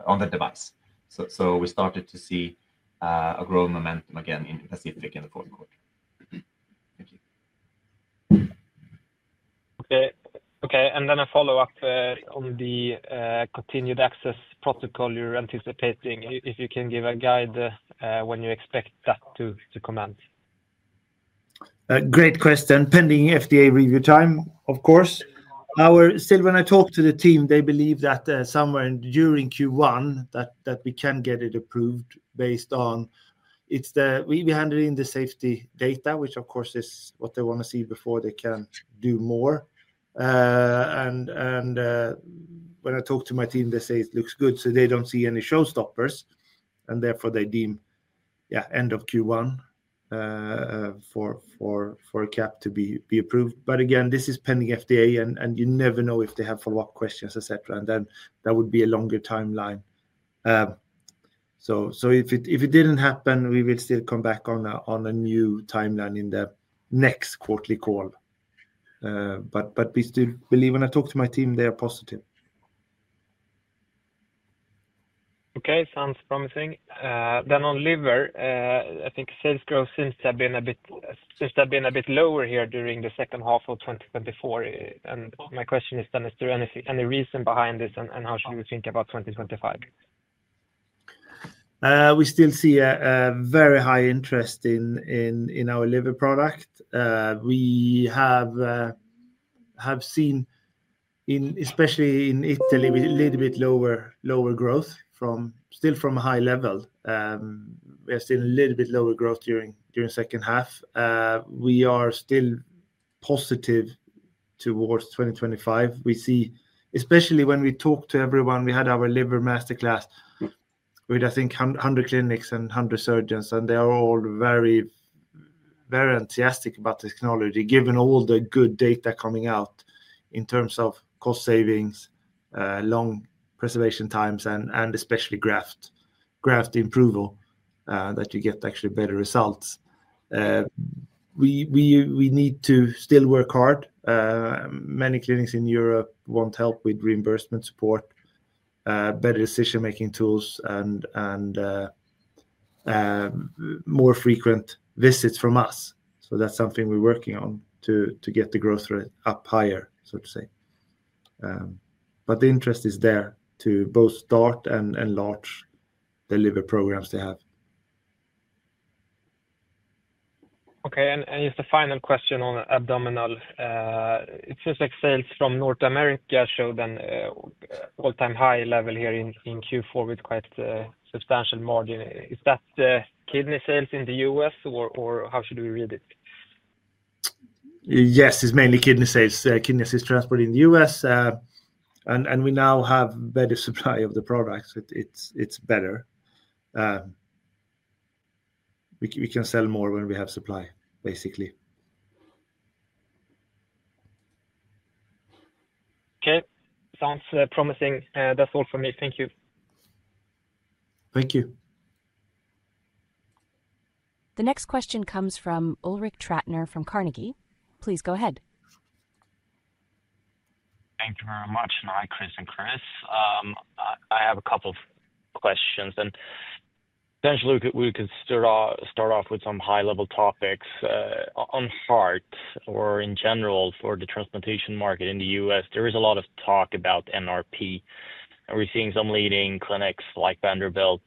S3: on the device, so we started to see a growth momentum again in the Pacific in the fourth quarter.
S4: Thank you. Okay, okay, and then a follow-up on the continued access protocol you're anticipating. If you can give a guide when you expect that to commence?
S2: Great question. Pending FDA review time, of course. Still, when I talk to the team, they believe that somewhere during Q1, that we can get it approved based on. We handed in the safety data, which, of course, is what they want to see before they can do more, and when I talk to my team, they say it looks good. So they don't see any showstoppers. And therefore, they deem, yeah, end of Q1 for a CAP to be approved. But again, this is pending FDA, and you never know if they have follow-up questions, etc. And then that would be a longer timeline. So if it didn't happen, we will still come back on a new timeline in the next quarterly call. But we still believe, when I talk to my team, they are positive.
S4: Okay. Sounds promising. Then on liver, I think sales growth seems to have been a bit since they've been a bit lower here during the second half of 2024. And my question is then, is there any reason behind this and how should we think about 2025?
S2: We still see a very high interest in our liver product. We have seen, especially in Italy, a little bit lower growth, still from a high level. We have seen a little bit lower growth during the second half. We are still positive towards 2025. We see, especially when we talk to everyone, we had our liver masterclass with, I think, 100 clinics and 100 surgeons, and they are all very enthusiastic about technology, given all the good data coming out in terms of cost savings, long preservation times, and especially graft approval that you get actually better results. We need to still work hard. Many clinics in Europe want help with reimbursement support, better decision-making tools, and more frequent visits from us. So that's something we're working on to get the growth rate up higher, so to say. The interest is there to both start and enlarge the liver programs they have.
S4: Okay. And just a final question on abdominal. It seems like sales from North America showed an all-time high level here in Q4 with quite a substantial margin. Is that kidney sales in the US, or how should we read it?
S2: Yes, it's mainly Kidney Assist Transport in the US. And we now have better supply of the products. It's better. We can sell more when we have supply, basically.
S4: Okay. Sounds promising. That's all for me. Thank you.
S2: Thank you.
S1: The next question comes from Ulrik Trattner from Carnegie. Please go ahead.
S5: Thank you very much. Hi, Chris and Kris. I have a couple of questions. And potentially, we could start off with some high-level topics. On heart or in general for the transplantation market in the US, there is a lot of talk about NRP. We're seeing some leading clinics like Vanderbilt,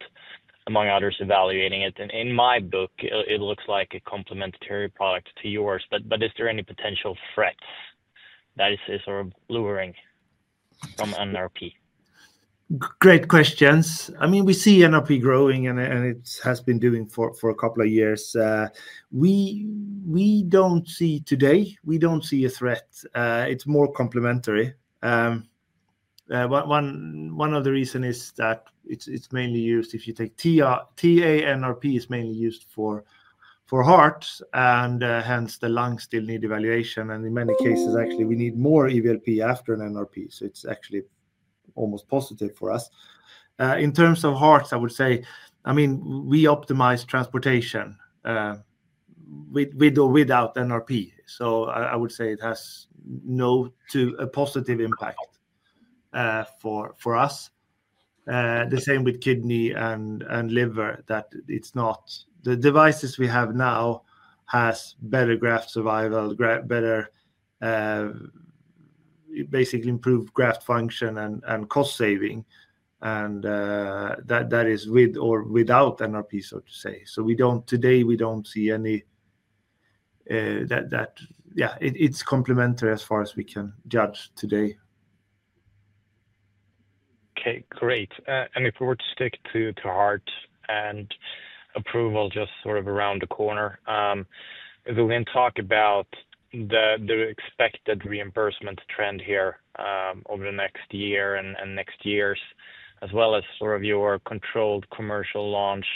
S5: among others, evaluating it. In my book, it looks like a complementary product to yours. Is there any potential threats that are looming from NRP?
S2: Great questions. I mean, we see NRP growing, and it has been doing for a couple of years. We don't see today, we don't see a threat. It's more complementary. One other reason is that it's mainly used if you take TANRP, it's mainly used for heart, and hence the lungs still need evaluation. And in many cases, actually, we need more EVLP after an NRP. It's actually almost positive for us. In terms of heart, I would say, I mean, we optimize transportation with or without NRP. I would say it has no positive impact for us. The same with kidney and liver, that it's not the devices we have now have better graft survival, better basically improved graft function and cost saving. And that is with or without NRP, so to say. So today, we don't see any that, yeah, it's complementary as far as we can judge today.
S5: Okay. Great. And if we were to stick to heart and approval just sort of around the corner, if we can talk about the expected reimbursement trend here over the next year and next years, as well as sort of your controlled commercial launch.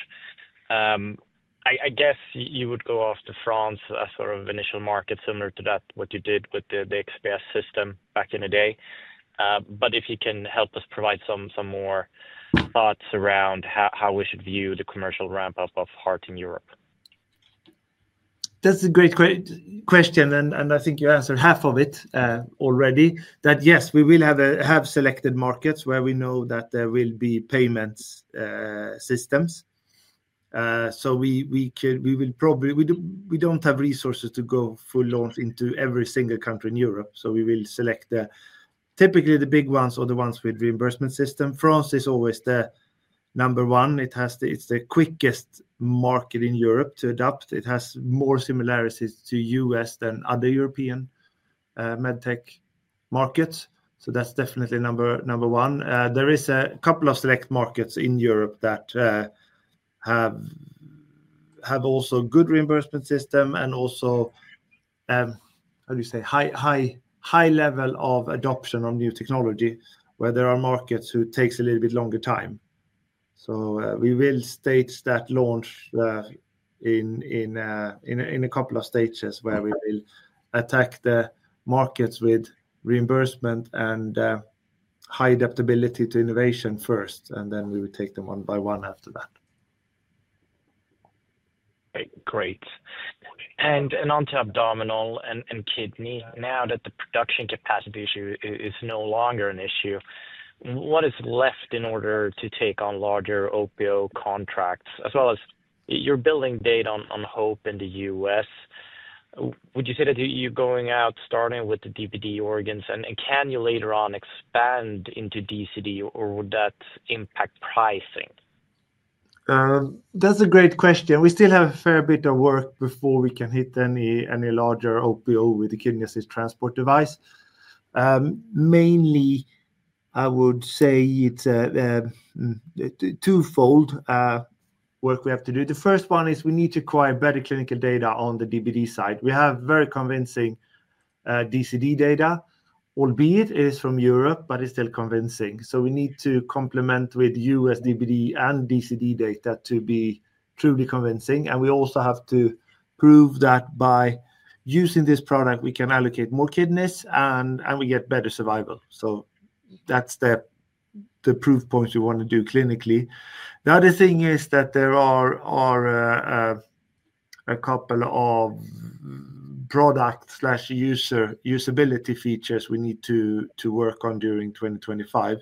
S5: I guess you would go off to France as sort of initial market similar to that, what you did with the XPS system back in the day. But if you can help us provide some more thoughts around how we should view the commercial ramp-up of heart in Europe.
S2: That's a great question. And I think you answered half of it already. That yes, we will have selected markets where we know that there will be payment systems. So we will probably don't have resources to go full launch into every single country in Europe. So we will select typically the big ones or the ones with reimbursement system. France is always the number one. It's the quickest market in Europe to adopt. It has more similarities to US than other European med tech markets. So that's definitely number one. There is a couple of select markets in Europe that have also good reimbursement system and also, how do you say, high level of adoption on new technology, where there are markets who take a little bit longer time. So we will stage that launch in a couple of stages where we will attack the markets with reimbursement and high adaptability to innovation first, and then we will take them one by one after that.
S5: Great. Onto abdominal and kidney, now that the production capacity issue is no longer an issue, what is left in order to take on larger OPO contracts? As well as you're building data on HOPE in the US, would you say that you're going out starting with the DBD organs? And can you later on expand into DCD, or would that impact pricing?
S2: That's a great question. We still have a fair bit of work before we can hit any larger OPO with the Kidney Assist Transport device. Mainly, I would say it's a twofold work we have to do. The first one is we need to acquire better clinical data on the DBD side. We have very convincing DCD data, albeit it is from Europe, but it's still convincing. So we need to complement with US DBD and DCD data to be truly convincing. We also have to prove that by using this product, we can allocate more kidneys and we get better survival. So that's the proof points we want to do clinically. The other thing is that there are a couple of product/usability features we need to work on during 2025.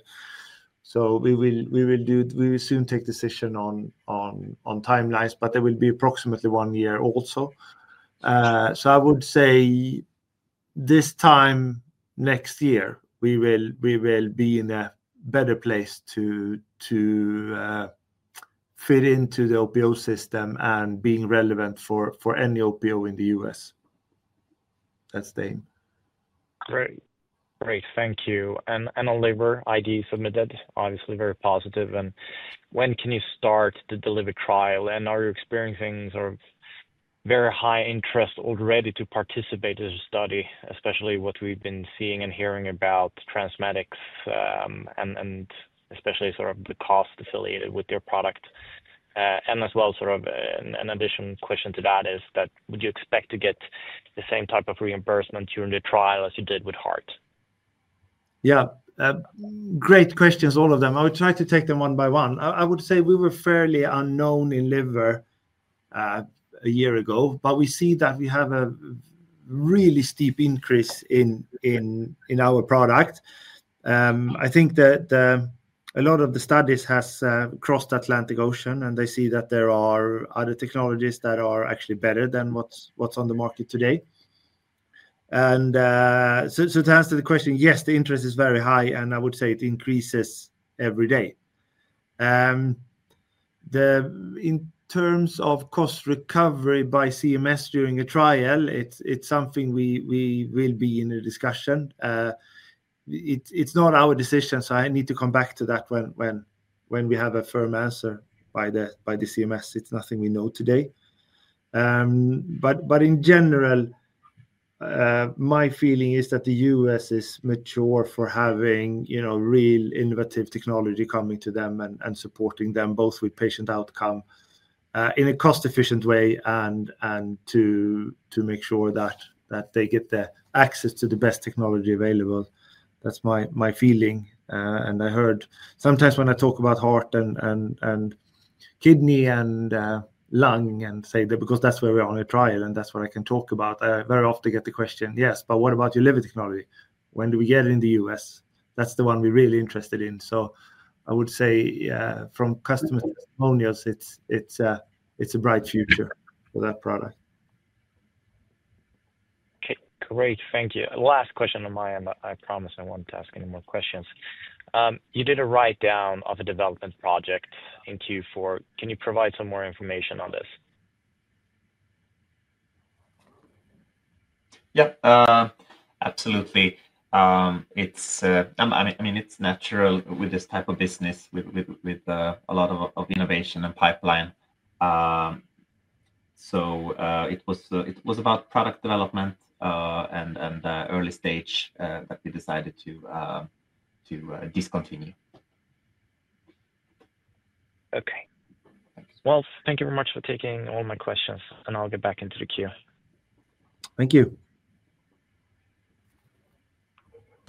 S2: So we will soon take decision on timelines, but there will be approximately one year also. So I would say this time next year, we will be in a better place to fit into the OPO system and being relevant for any OPO in the US. That's the aim.
S5: Great. Great. Thank you. And on liver, IDE submitted, obviously very positive. And when can you start the pivotal trial? And are you experiencing sort of very high interest already to participate in the study, especially what we've been seeing and hearing about TransMedics and especially sort of the cost affiliated with your product? And as well, sort of an additional question to that is that would you expect to get the same type of reimbursement during the trial as you did with heart?
S2: Yeah. Great questions, all of them. I would try to take them one by one. I would say we were fairly unknown in liver a year ago, but we see that we have a really steep increase in our product. I think a lot of the studies have crossed the Atlantic Ocean, and they see that there are other technologies that are actually better than what's on the market today. To answer the question, yes, the interest is very high, and I would say it increases every day. In terms of cost recovery by CMS during a trial, it's something we will be in a discussion. It's not our decision, so I need to come back to that when we have a firm answer by the CMS. It's nothing we know today. In general, my feeling is that the U.S. is mature for having real innovative technology coming to them and supporting them both with patient outcome in a cost-efficient way and to make sure that they get the access to the best technology available. That's my feeling. I heard sometimes when I talk about heart and kidney and lung and say that because that's where we are on a trial and that's what I can talk about. I very often get the question, yes, but what about your liver technology? When do we get it in the U.S.? That's the one we're really interested in. So I would say from customer testimonials, it's a bright future for that product.
S5: Okay. Great. Thank you. Last question on my end. I promise I won't ask any more questions. You did a write-down of a development project in Q4. Can you provide some more information on this?
S3: Yep. Absolutely. I mean, it's natural with this type of business with a lot of innovation and pipeline. So it was about product development and early stage that we decided to discontinue.
S5: Okay. Well, thank you very much for taking all my questions, and I'll get back into the queue. Thank you.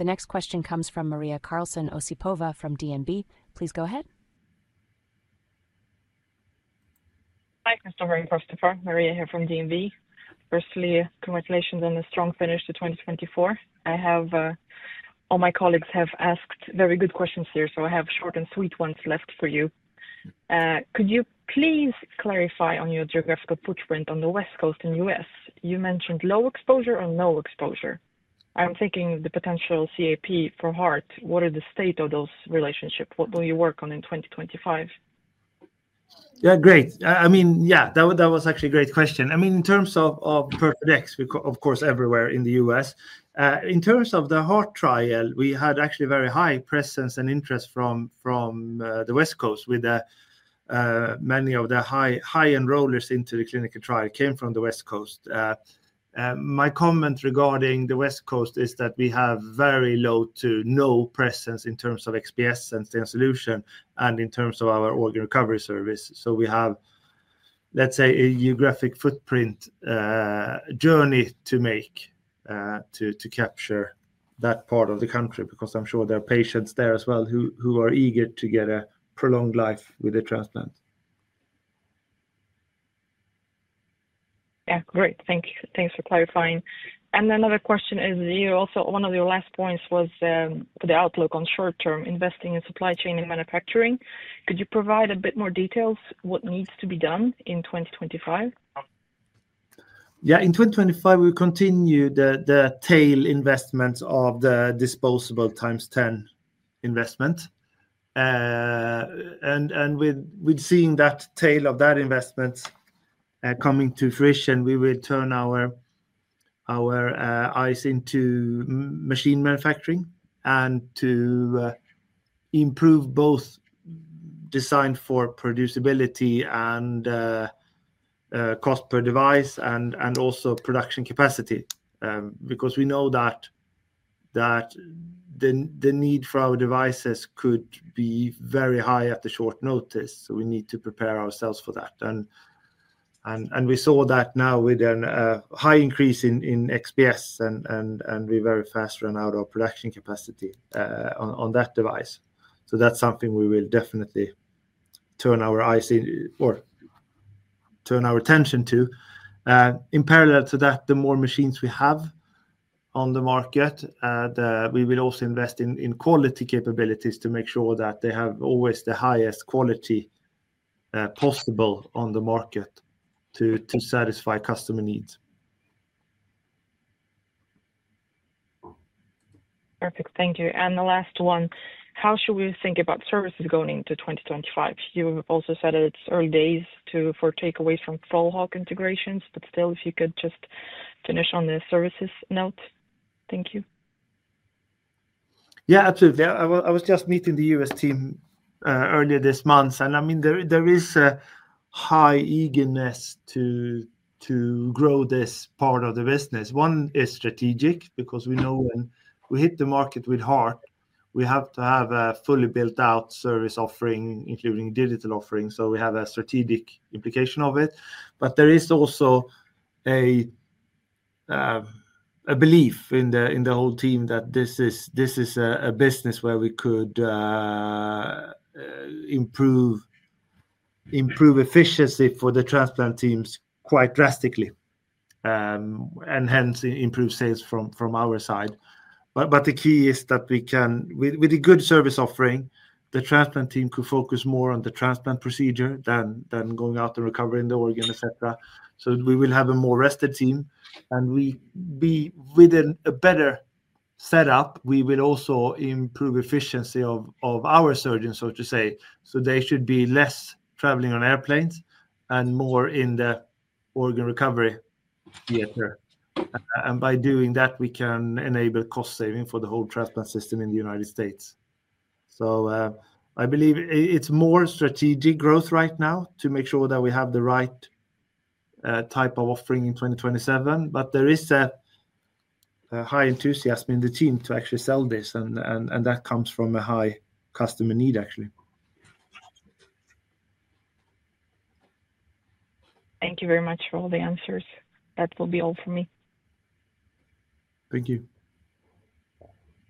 S1: The next question comes from Maria Karlsson Osipova from DNB. Please go ahead.
S6: Hi, Christoffer and Kristoffer. Maria here from DNB. Firstly, congratulations on a strong finish to 2024. All my colleagues have asked very good questions here, so I have short and sweet ones left for you. Could you please clarify on your geographical footprint on the West Coast and US? You mentioned low exposure or no exposure. I'm thinking the potential CAP for heart. What are the state of those relationships? What will you work on in 2025?
S2: Yeah, great. I mean, yeah, that was actually a great question. I mean, in terms of Perfadex, of course, everywhere in the US. In terms of the heart trial, we had actually very high presence and interest from the West Coast, with many of the high enrollers into the clinical trial came from the West Coast. My comment regarding the West Coast is that we have very low to no presence in terms of XPS and STEEN Solution and in terms of our organ recovery service. So we have, let's say, a geographic footprint journey to make to capture that part of the country because I'm sure there are patients there as well who are eager to get a prolonged life with a transplant.
S6: Yeah. Great. Thanks for clarifying. And then another question is also one of your last points was the outlook on short-term investing in supply chain and manufacturing. Could you provide a bit more details on what needs to be done in 2025?
S2: Yeah. In 2025, we will continue the tail investment of the disposable times 10 investment. And with seeing that tail of that investment coming to fruition, we will turn our eyes into machine manufacturing and to improve both design for producibility and cost per device and also production capacity because we know that the need for our devices could be very high at the short notice. So we need to prepare ourselves for that. And we saw that now with a high increase in XPS, and we very fast ran out of production capacity on that device. So that's something we will definitely turn our eyes or turn our attention to. In parallel to that, the more machines we have on the market, we will also invest in quality capabilities to make sure that they have always the highest quality possible on the market to satisfy customer needs.
S6: Perfect. Thank you. And the last one, how should we think about services going into 2025? You also said it's early days for takeaways from FlowHawk integrations, but still, if you could just finish on the services note. Thank you.
S2: Yeah, absolutely. I was just meeting the US team earlier this month. And I mean, there is a high eagerness to grow this part of the business. One is strategic because we know when we hit the market with heart, we have to have a fully built-out service offering, including digital offerings. So we have a strategic implication of it. But there is also a belief in the whole team that this is a business where we could improve efficiency for the transplant teams quite drastically and hence improve sales from our side. But the key is that with a good service offering, the transplant team could focus more on the transplant procedure than going out and recovering the organ, etc. So we will have a more rested team. And with a better setup, we will also improve efficiency of our surgeons, so to say. So they should be less traveling on airplanes and more in the organ recovery theater. And by doing that, we can enable cost saving for the whole transplant system in the United States. So I believe it's more strategic growth right now to make sure that we have the right type of offering in 2027. But there is a high enthusiasm in the team to actually sell this, and that comes from a high customer need, actually.
S6: Thank you very much for all the answers. That will be all for me.
S2: Thank you.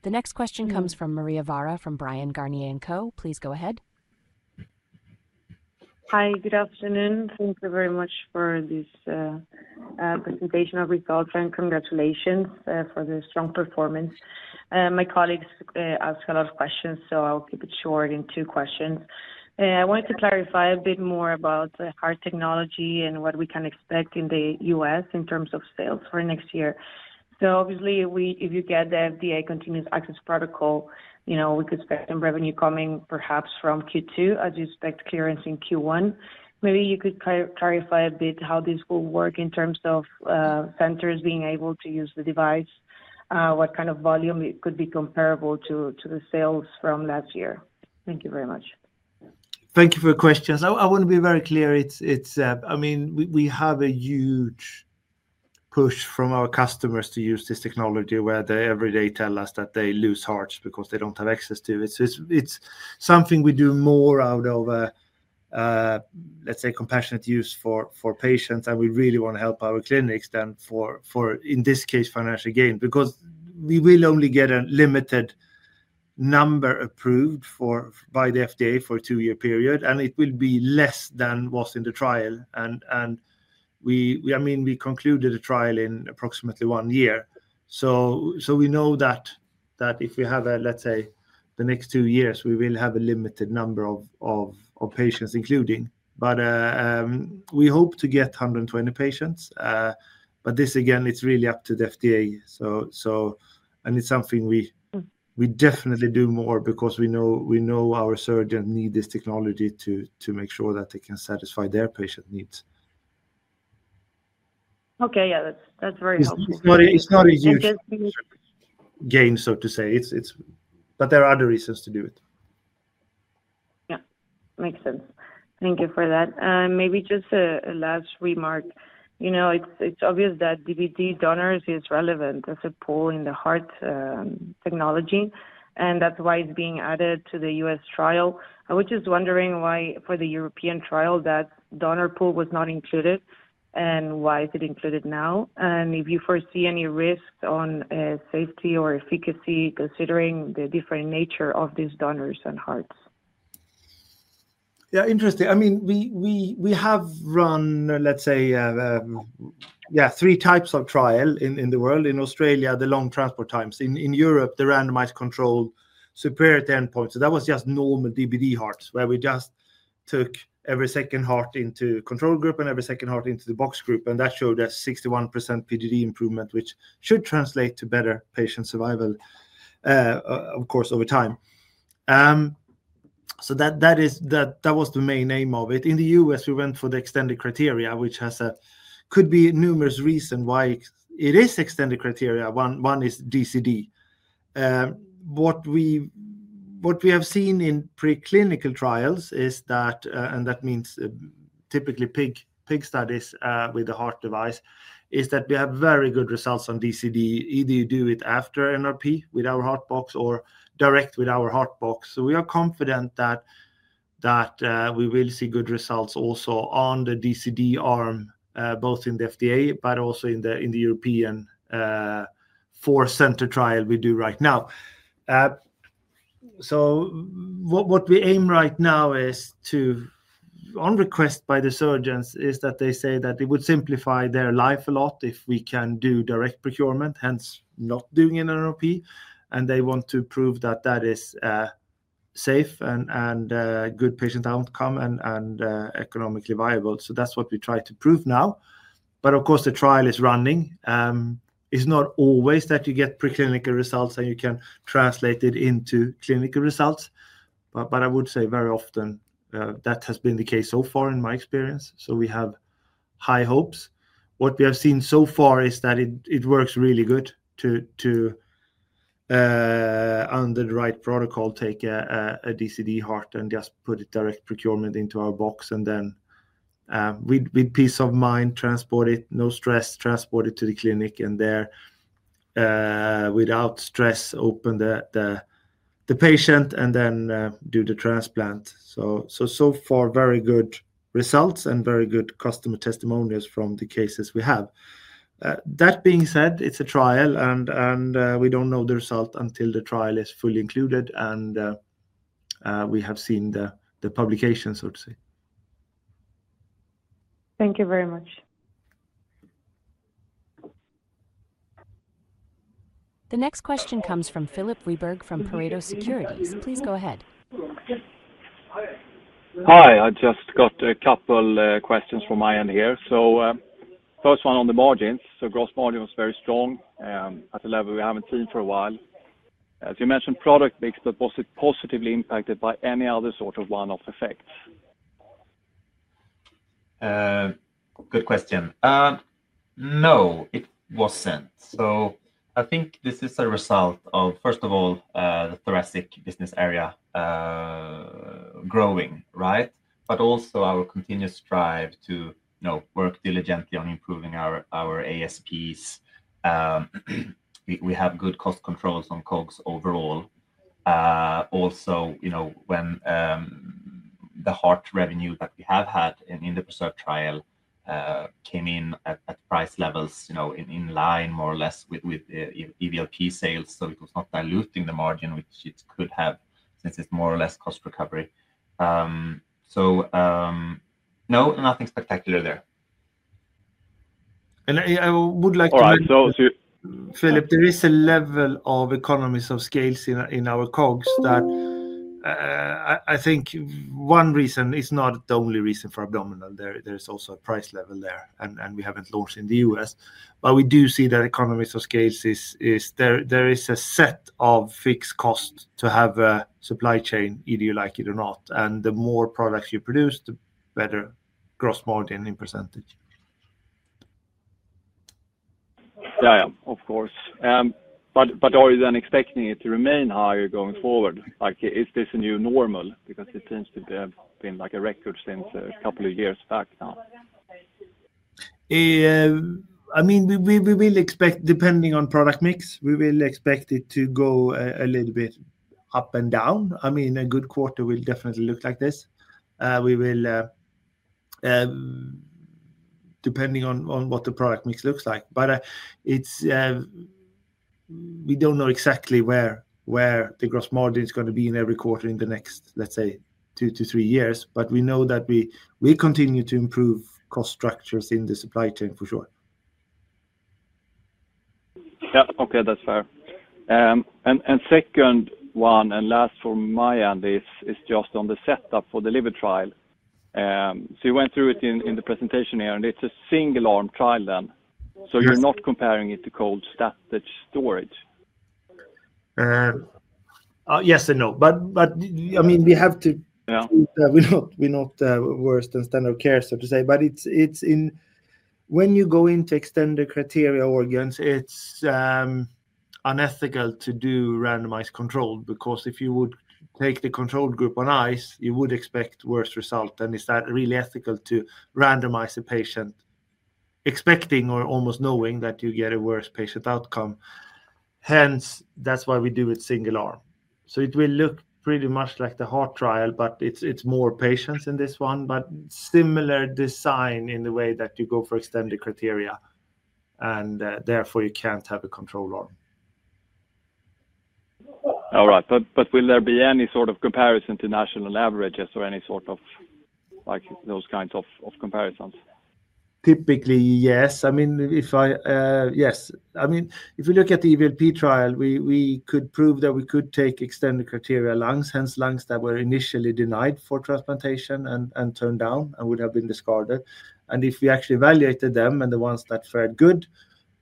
S1: The next question comes from Maria Vara from Bryan, Garnier & Co. Please go ahead.
S7: Hi, good afternoon. Thank you very much for this presentation of results and congratulations for the strong performance. My colleagues asked a lot of questions, so I'll keep it short in two questions. I wanted to clarify a bit more about heart technology and what we can expect in the U.S. in terms of sales for next year. So obviously, if you get the FDA Continued Access Protocol, we could expect some revenue coming perhaps from Q2, as you expect clearance in Q1. Maybe you could clarify a bit how this will work in terms of centers being able to use the device, what kind of volume it could be comparable to the sales from last year. Thank you very much.
S2: Thank you for the questions. I want to be very clear. I mean, we have a huge push from our customers to use this technology where they every day tell us that they lose hearts because they don't have access to it. So it's something we do more out of, let's say, compassionate use for patients, and we really want to help our clinics than for, in this case, financial gain because we will only get a limited number approved by the FDA for a two-year period, and it will be less than what's in the trial. And I mean, we concluded a trial in approximately one year. So we know that if we have a, let's say, the next two years, we will have a limited number of patients including. But we hope to get 120 patients. But this, again, it's really up to the FDA. And it's something we definitely do more because we know our surgeons need this technology to make sure that they can satisfy their patient needs. Okay. Yeah, that's very helpful. It's not a huge gain, so to say. But there are other reasons to do it.
S7: Yeah. Makes sense. Thank you for that. Maybe just a last remark. It's obvious that DCD donors is relevant as a pool in the heart technology, and that's why it's being added to the US trial. I was just wondering why for the European trial that donor pool was not included and why is it included now? And if you foresee any risks on safety or efficacy considering the different nature of these donors and hearts?
S2: Yeah, interesting. I mean, we have run, let's say, yeah, three types of trial in the world. In Australia, the long transport times. In Europe, the randomized controlled superior endpoints, so that was just normal DBD hearts where we just took every second heart into control group and every second heart into the box group, and that showed a 61% PGD improvement, which should translate to better patient survival, of course, over time, so that was the main aim of it. In the US, we went for the extended criteria, which could be numerous reasons why it is extended criteria. One is DCD. What we have seen in preclinical trials is that, and that means typically pig studies with the heart device, we have very good results on DCD, either you do it after NRP with our Heart Box or direct with our Heart Box. So we are confident that we will see good results also on the DCD arm, both in the FDA, but also in the European four-center trial we do right now. So what we aim right now is to, on request by the surgeons, is that they say that it would simplify their life a lot if we can do direct procurement, hence not doing NRP. And they want to prove that that is safe and good patient outcome and economically viable. So that's what we try to prove now. But of course, the trial is running. It's not always that you get preclinical results and you can translate it into clinical results. But I would say very often that has been the case so far in my experience. So we have high hopes. What we have seen so far is that it works really good to, under the right protocol, take a DCD heart and just put it direct procurement into our box and then with peace of mind, transport it, no stress, transport it to the clinic and there without stress, open the patient and then do the transplant. So so far, very good results and very good customer testimonials from the cases we have. That being said, it's a trial, and we don't know the result until the trial is fully included and we have seen the publication, so to say.
S7: Thank you very much.
S1: The next question comes from Filip Wiberg from Pareto Securities. Please go ahead.
S8: Hi. I just got a couple of questions from my end here. So first one on the margins. So gross margin was very strong at a level we haven't seen for a while. As you mentioned, product mix, but was it positively impacted by any other sort of one-off effects?
S3: Good question. No, it wasn't. So I think this is a result of, first of all, the thoracic business area growing, right? But also our continuous drive to work diligently on improving our ASPs. We have good cost controls on COGS overall. Also, when the heart revenue that we have had in the PRESERVE trial came in at price levels in line, more or less with EVLP sales, so it was not diluting the margin, which it could have since it's more or less cost recovery. So no, nothing spectacular there.
S2: And I would like to make. Philip, there is a level of economies of scale in our COGS that I think one reason is not the only reason for abdominal. There is also a price level there, and we haven't launched in the U.S. But we do see that economies of scale is there is a set of fixed costs to have a supply chain, either you like it or not. And the more products you produce, the better gross margin in percentage.
S8: Yeah, yeah, of course. But are you then expecting it to remain higher going forward? Is this a new normal? Because it seems to have been like a record since a couple of years back now.
S2: I mean, we will expect, depending on product mix, we will expect it to go a little bit up and down. I mean, a good quarter will definitely look like this. Depending on what the product mix looks like. But we don't know exactly where the gross margin is going to be in every quarter in the next, let's say, two to three years. But we know that we continue to improve cost structures in the supply chain, for sure.
S8: Yeah. Okay. That's fair. And second one and last for my end is just on the setup for the liver trial. So you went through it in the presentation here, and it's a single-arm trial then. So you're not comparing it to cold static storage?
S2: Yes and no. But I mean, we have to, we're not worse than standard care, so to say. But when you go into extended criteria organs, it's unethical to do randomized control because if you would take the controlled group on ice, you would expect worse results. And is that really ethical to randomize a patient expecting or almost knowing that you get a worse patient outcome? Hence, that's why we do it single arm. So it will look pretty much like the heart trial, but it's more patients in this one, but similar design in the way that you go for extended criteria, and therefore you can't have a control arm.
S8: All right. But will there be any sort of comparison to national averages or any sort of those kinds of comparisons?
S2: Typically, yes. I mean, yes. I mean, if we look at the EVLP trial, we could prove that we could take extended criteria lungs, hence lungs that were initially denied for transplantation and turned down and would have been discarded. If we actually evaluated them and the ones that fared good,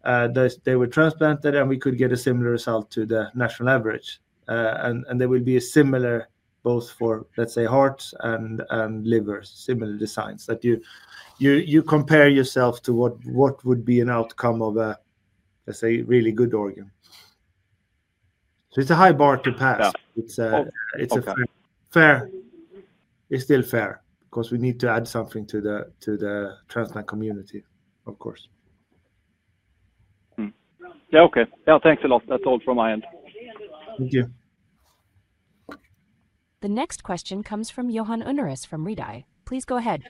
S2: they were transplanted, and we could get a similar result to the national average. There will be a similar both for, let's say, hearts and livers, similar designs that you compare yourself to what would be an outcome of a, let's say, really good organ. So it's a high bar to pass. It's a fair. It's still fair because we need to add something to the transplant community, of course.
S8: Okay. Yeah, thanks a lot. That's all from my end. Thank you.
S1: The next question comes from Johan Unnérus from Redeye. Please go ahead.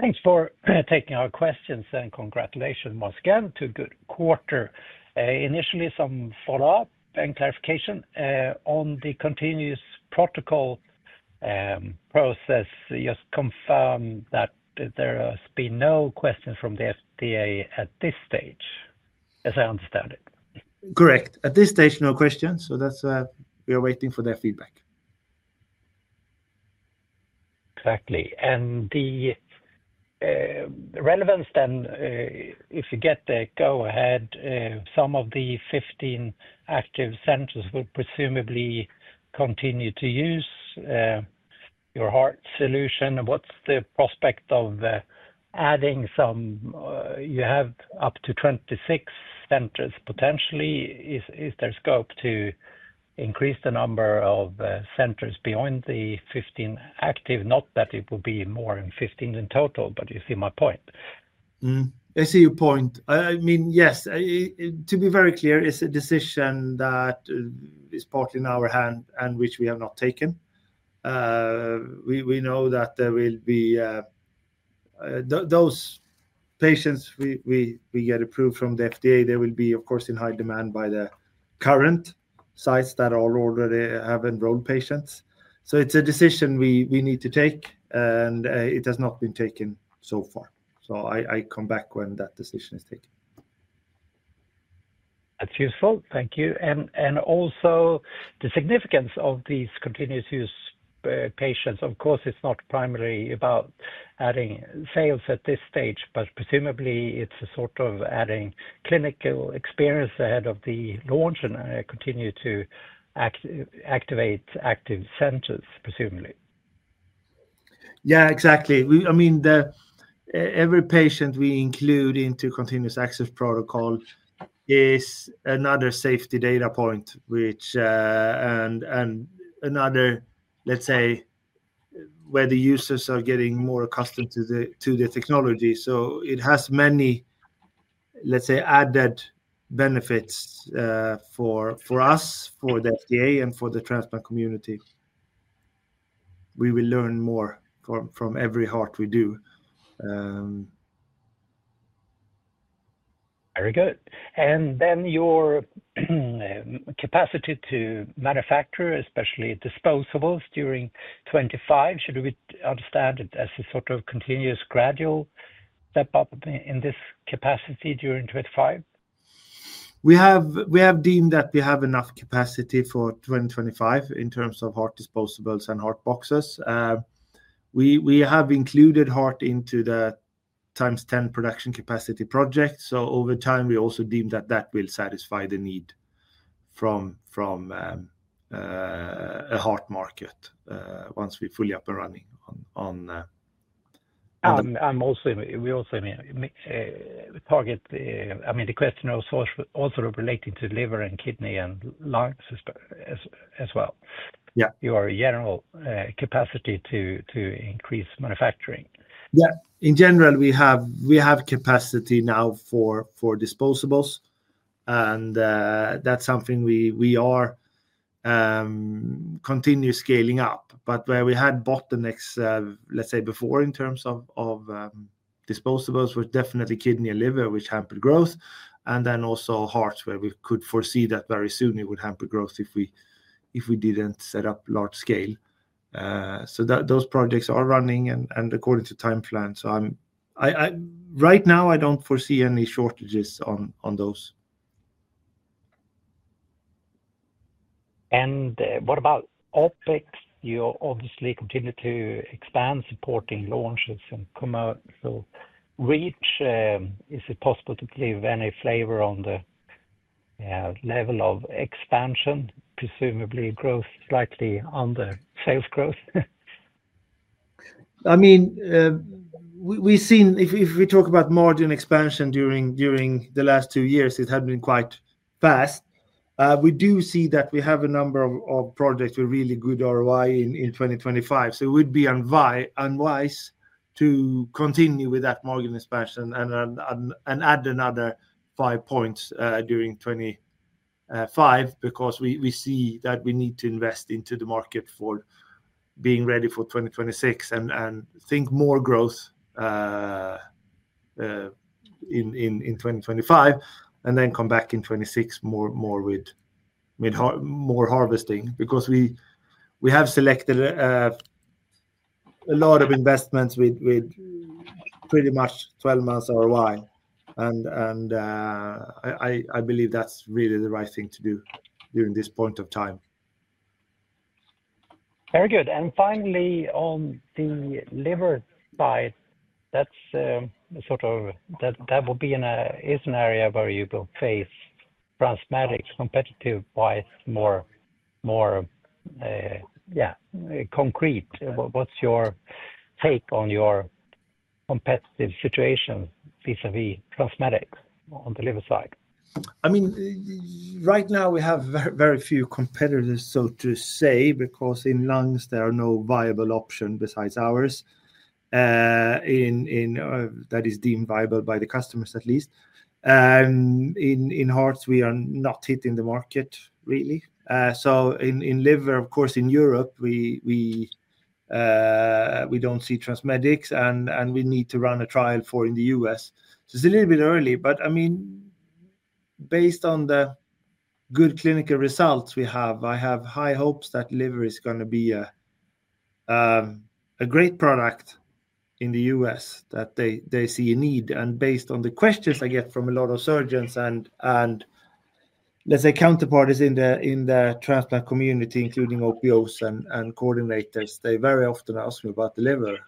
S9: Thanks for taking our questions, and congratulations once again to good quarter. Initially, some follow-up and clarification on the continuous protocol process. Just confirm that there has been no questions from the FDA at this stage, as I understand it.
S2: Correct. At this stage, no questions. So we are waiting for their feedback.
S8: Exactly. And the relevance then, if you get the go-ahead, some of the 15 active centers will presumably continue to use your heart solution. What's the prospect of adding some? You have up to 26 centers potentially. Is there scope to increase the number of centers beyond the 15 active? Not that it will be more than 15 in total, but you see my point.
S2: I see your point. I mean, yes. To be very clear, it's a decision that is partly in our hand and which we have not taken. We know that there will be those patients we get approved from the FDA. There will be, of course, in high demand by the current sites that are already having real patients. So it's a decision we need to take, and it has not been taken so far. So I come back when that decision is taken.
S9: That's useful. Thank you. And also, the significance of these continued access patients, of course, it's not primarily about adding sales at this stage, but presumably it's a sort of adding clinical experience ahead of the launch and continue to activate active centers, presumably.
S2: Yeah, exactly. I mean, every patient we include into continued access protocol is another safety data point, which and another, let's say, where the users are getting more accustomed to the technology. So it has many, let's say, added benefits for us, for the FDA, and for the transplant community. We will learn more from every heart we do.
S9: Very good. And then your capacity to manufacture, especially disposables during 2025, should we understand it as a sort of continuous gradual step up in this capacity during 2025?
S2: We have deemed that we have enough capacity for 2025 in terms of heart disposables and heart boxes. We have included heart into the times 10 production capacity project. So over time, we also deemed that that will satisfy the need from a heart market once we fully up and running on. And we also target, I mean, the question also relating to liver and kidney and lungs as well. Your general capacity to increase manufacturing. Yeah. In general, we have capacity now for disposables. And that's something we are continuously scaling up. But where we had bottlenecks, let's say, before in terms of disposables, was definitely kidney and liver, which hampered growth. And then also hearts, where we could foresee that very soon it would hamper growth if we didn't set up large scale. So those projects are running and according to timeplan. So right now, I don't foresee any shortages on those.
S9: And what about OpEx? You obviously continue to expand, supporting launches and commercial reach. Is it possible to give any flavor on the level of expansion, presumably growth slightly under sales growth?
S2: I mean, if we talk about margin expansion during the last two years, it had been quite fast. We do see that we have a number of projects with really good ROI in 2025. It would be unwise to continue with that margin expansion and add another five points during 2025 because we see that we need to invest into the market for being ready for 2026 and think more growth in 2025 and then come back in 2026 more with more harvesting because we have selected a lot of investments with pretty much 12 months ROI. I believe that's really the right thing to do during this point of time.
S9: Very good. Finally, on the liver side, that's sort of that will be an area where you will face TransMedics competitive-wise more, yeah, concrete. What's your take on your competitive situation vis-à-vis TransMedics on the liver side?
S2: I mean, right now, we have very few competitors, so to say, because in lungs, there are no viable options besides ours that is deemed viable by the customers, at least. In hearts, we are not hitting the market, really, so in liver, of course, in Europe, we don't see TransMedics, and we need to run a trial in the US, so it's a little bit early, but I mean, based on the good clinical results we have, I have high hopes that liver is going to be a great product in the US that they see a need, and based on the questions I get from a lot of surgeons and, let's say, counterparties in the transplant community, including OPOs and coordinators, they very often ask me about the liver,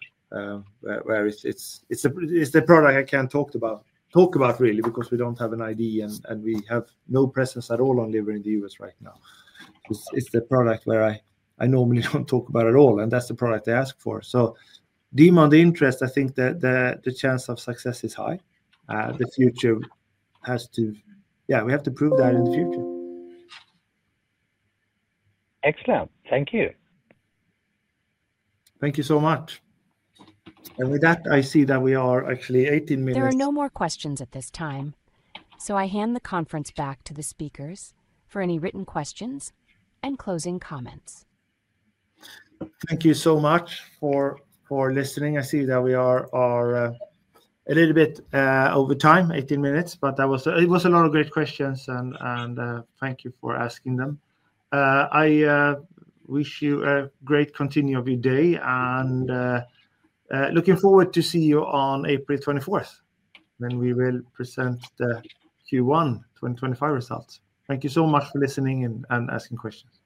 S2: where it's the product I can't talk about, really, because we don't have an IDE and we have no presence at all on liver in the US right now. It's the product where I normally don't talk about at all, and that's the product they ask for. So, demand interest. I think the chance of success is high. The future has to, yeah, we have to prove that in the future.
S9: Excellent. Thank you.
S2: Thank you so much, and with that, I see that we are actually 18.
S1: There are no more questions at this time, so I hand the conference back to the speakers for any written questions and closing comments.
S2: Thank you so much for listening. I see that we are a little bit over time, 18 minutes, but it was a lot of great questions, and thank you for asking them. I wish you a great continuing of your day and looking forward to see you on April 24th when we will present the Q1 2025 results. Thank you so much for listening and asking questions.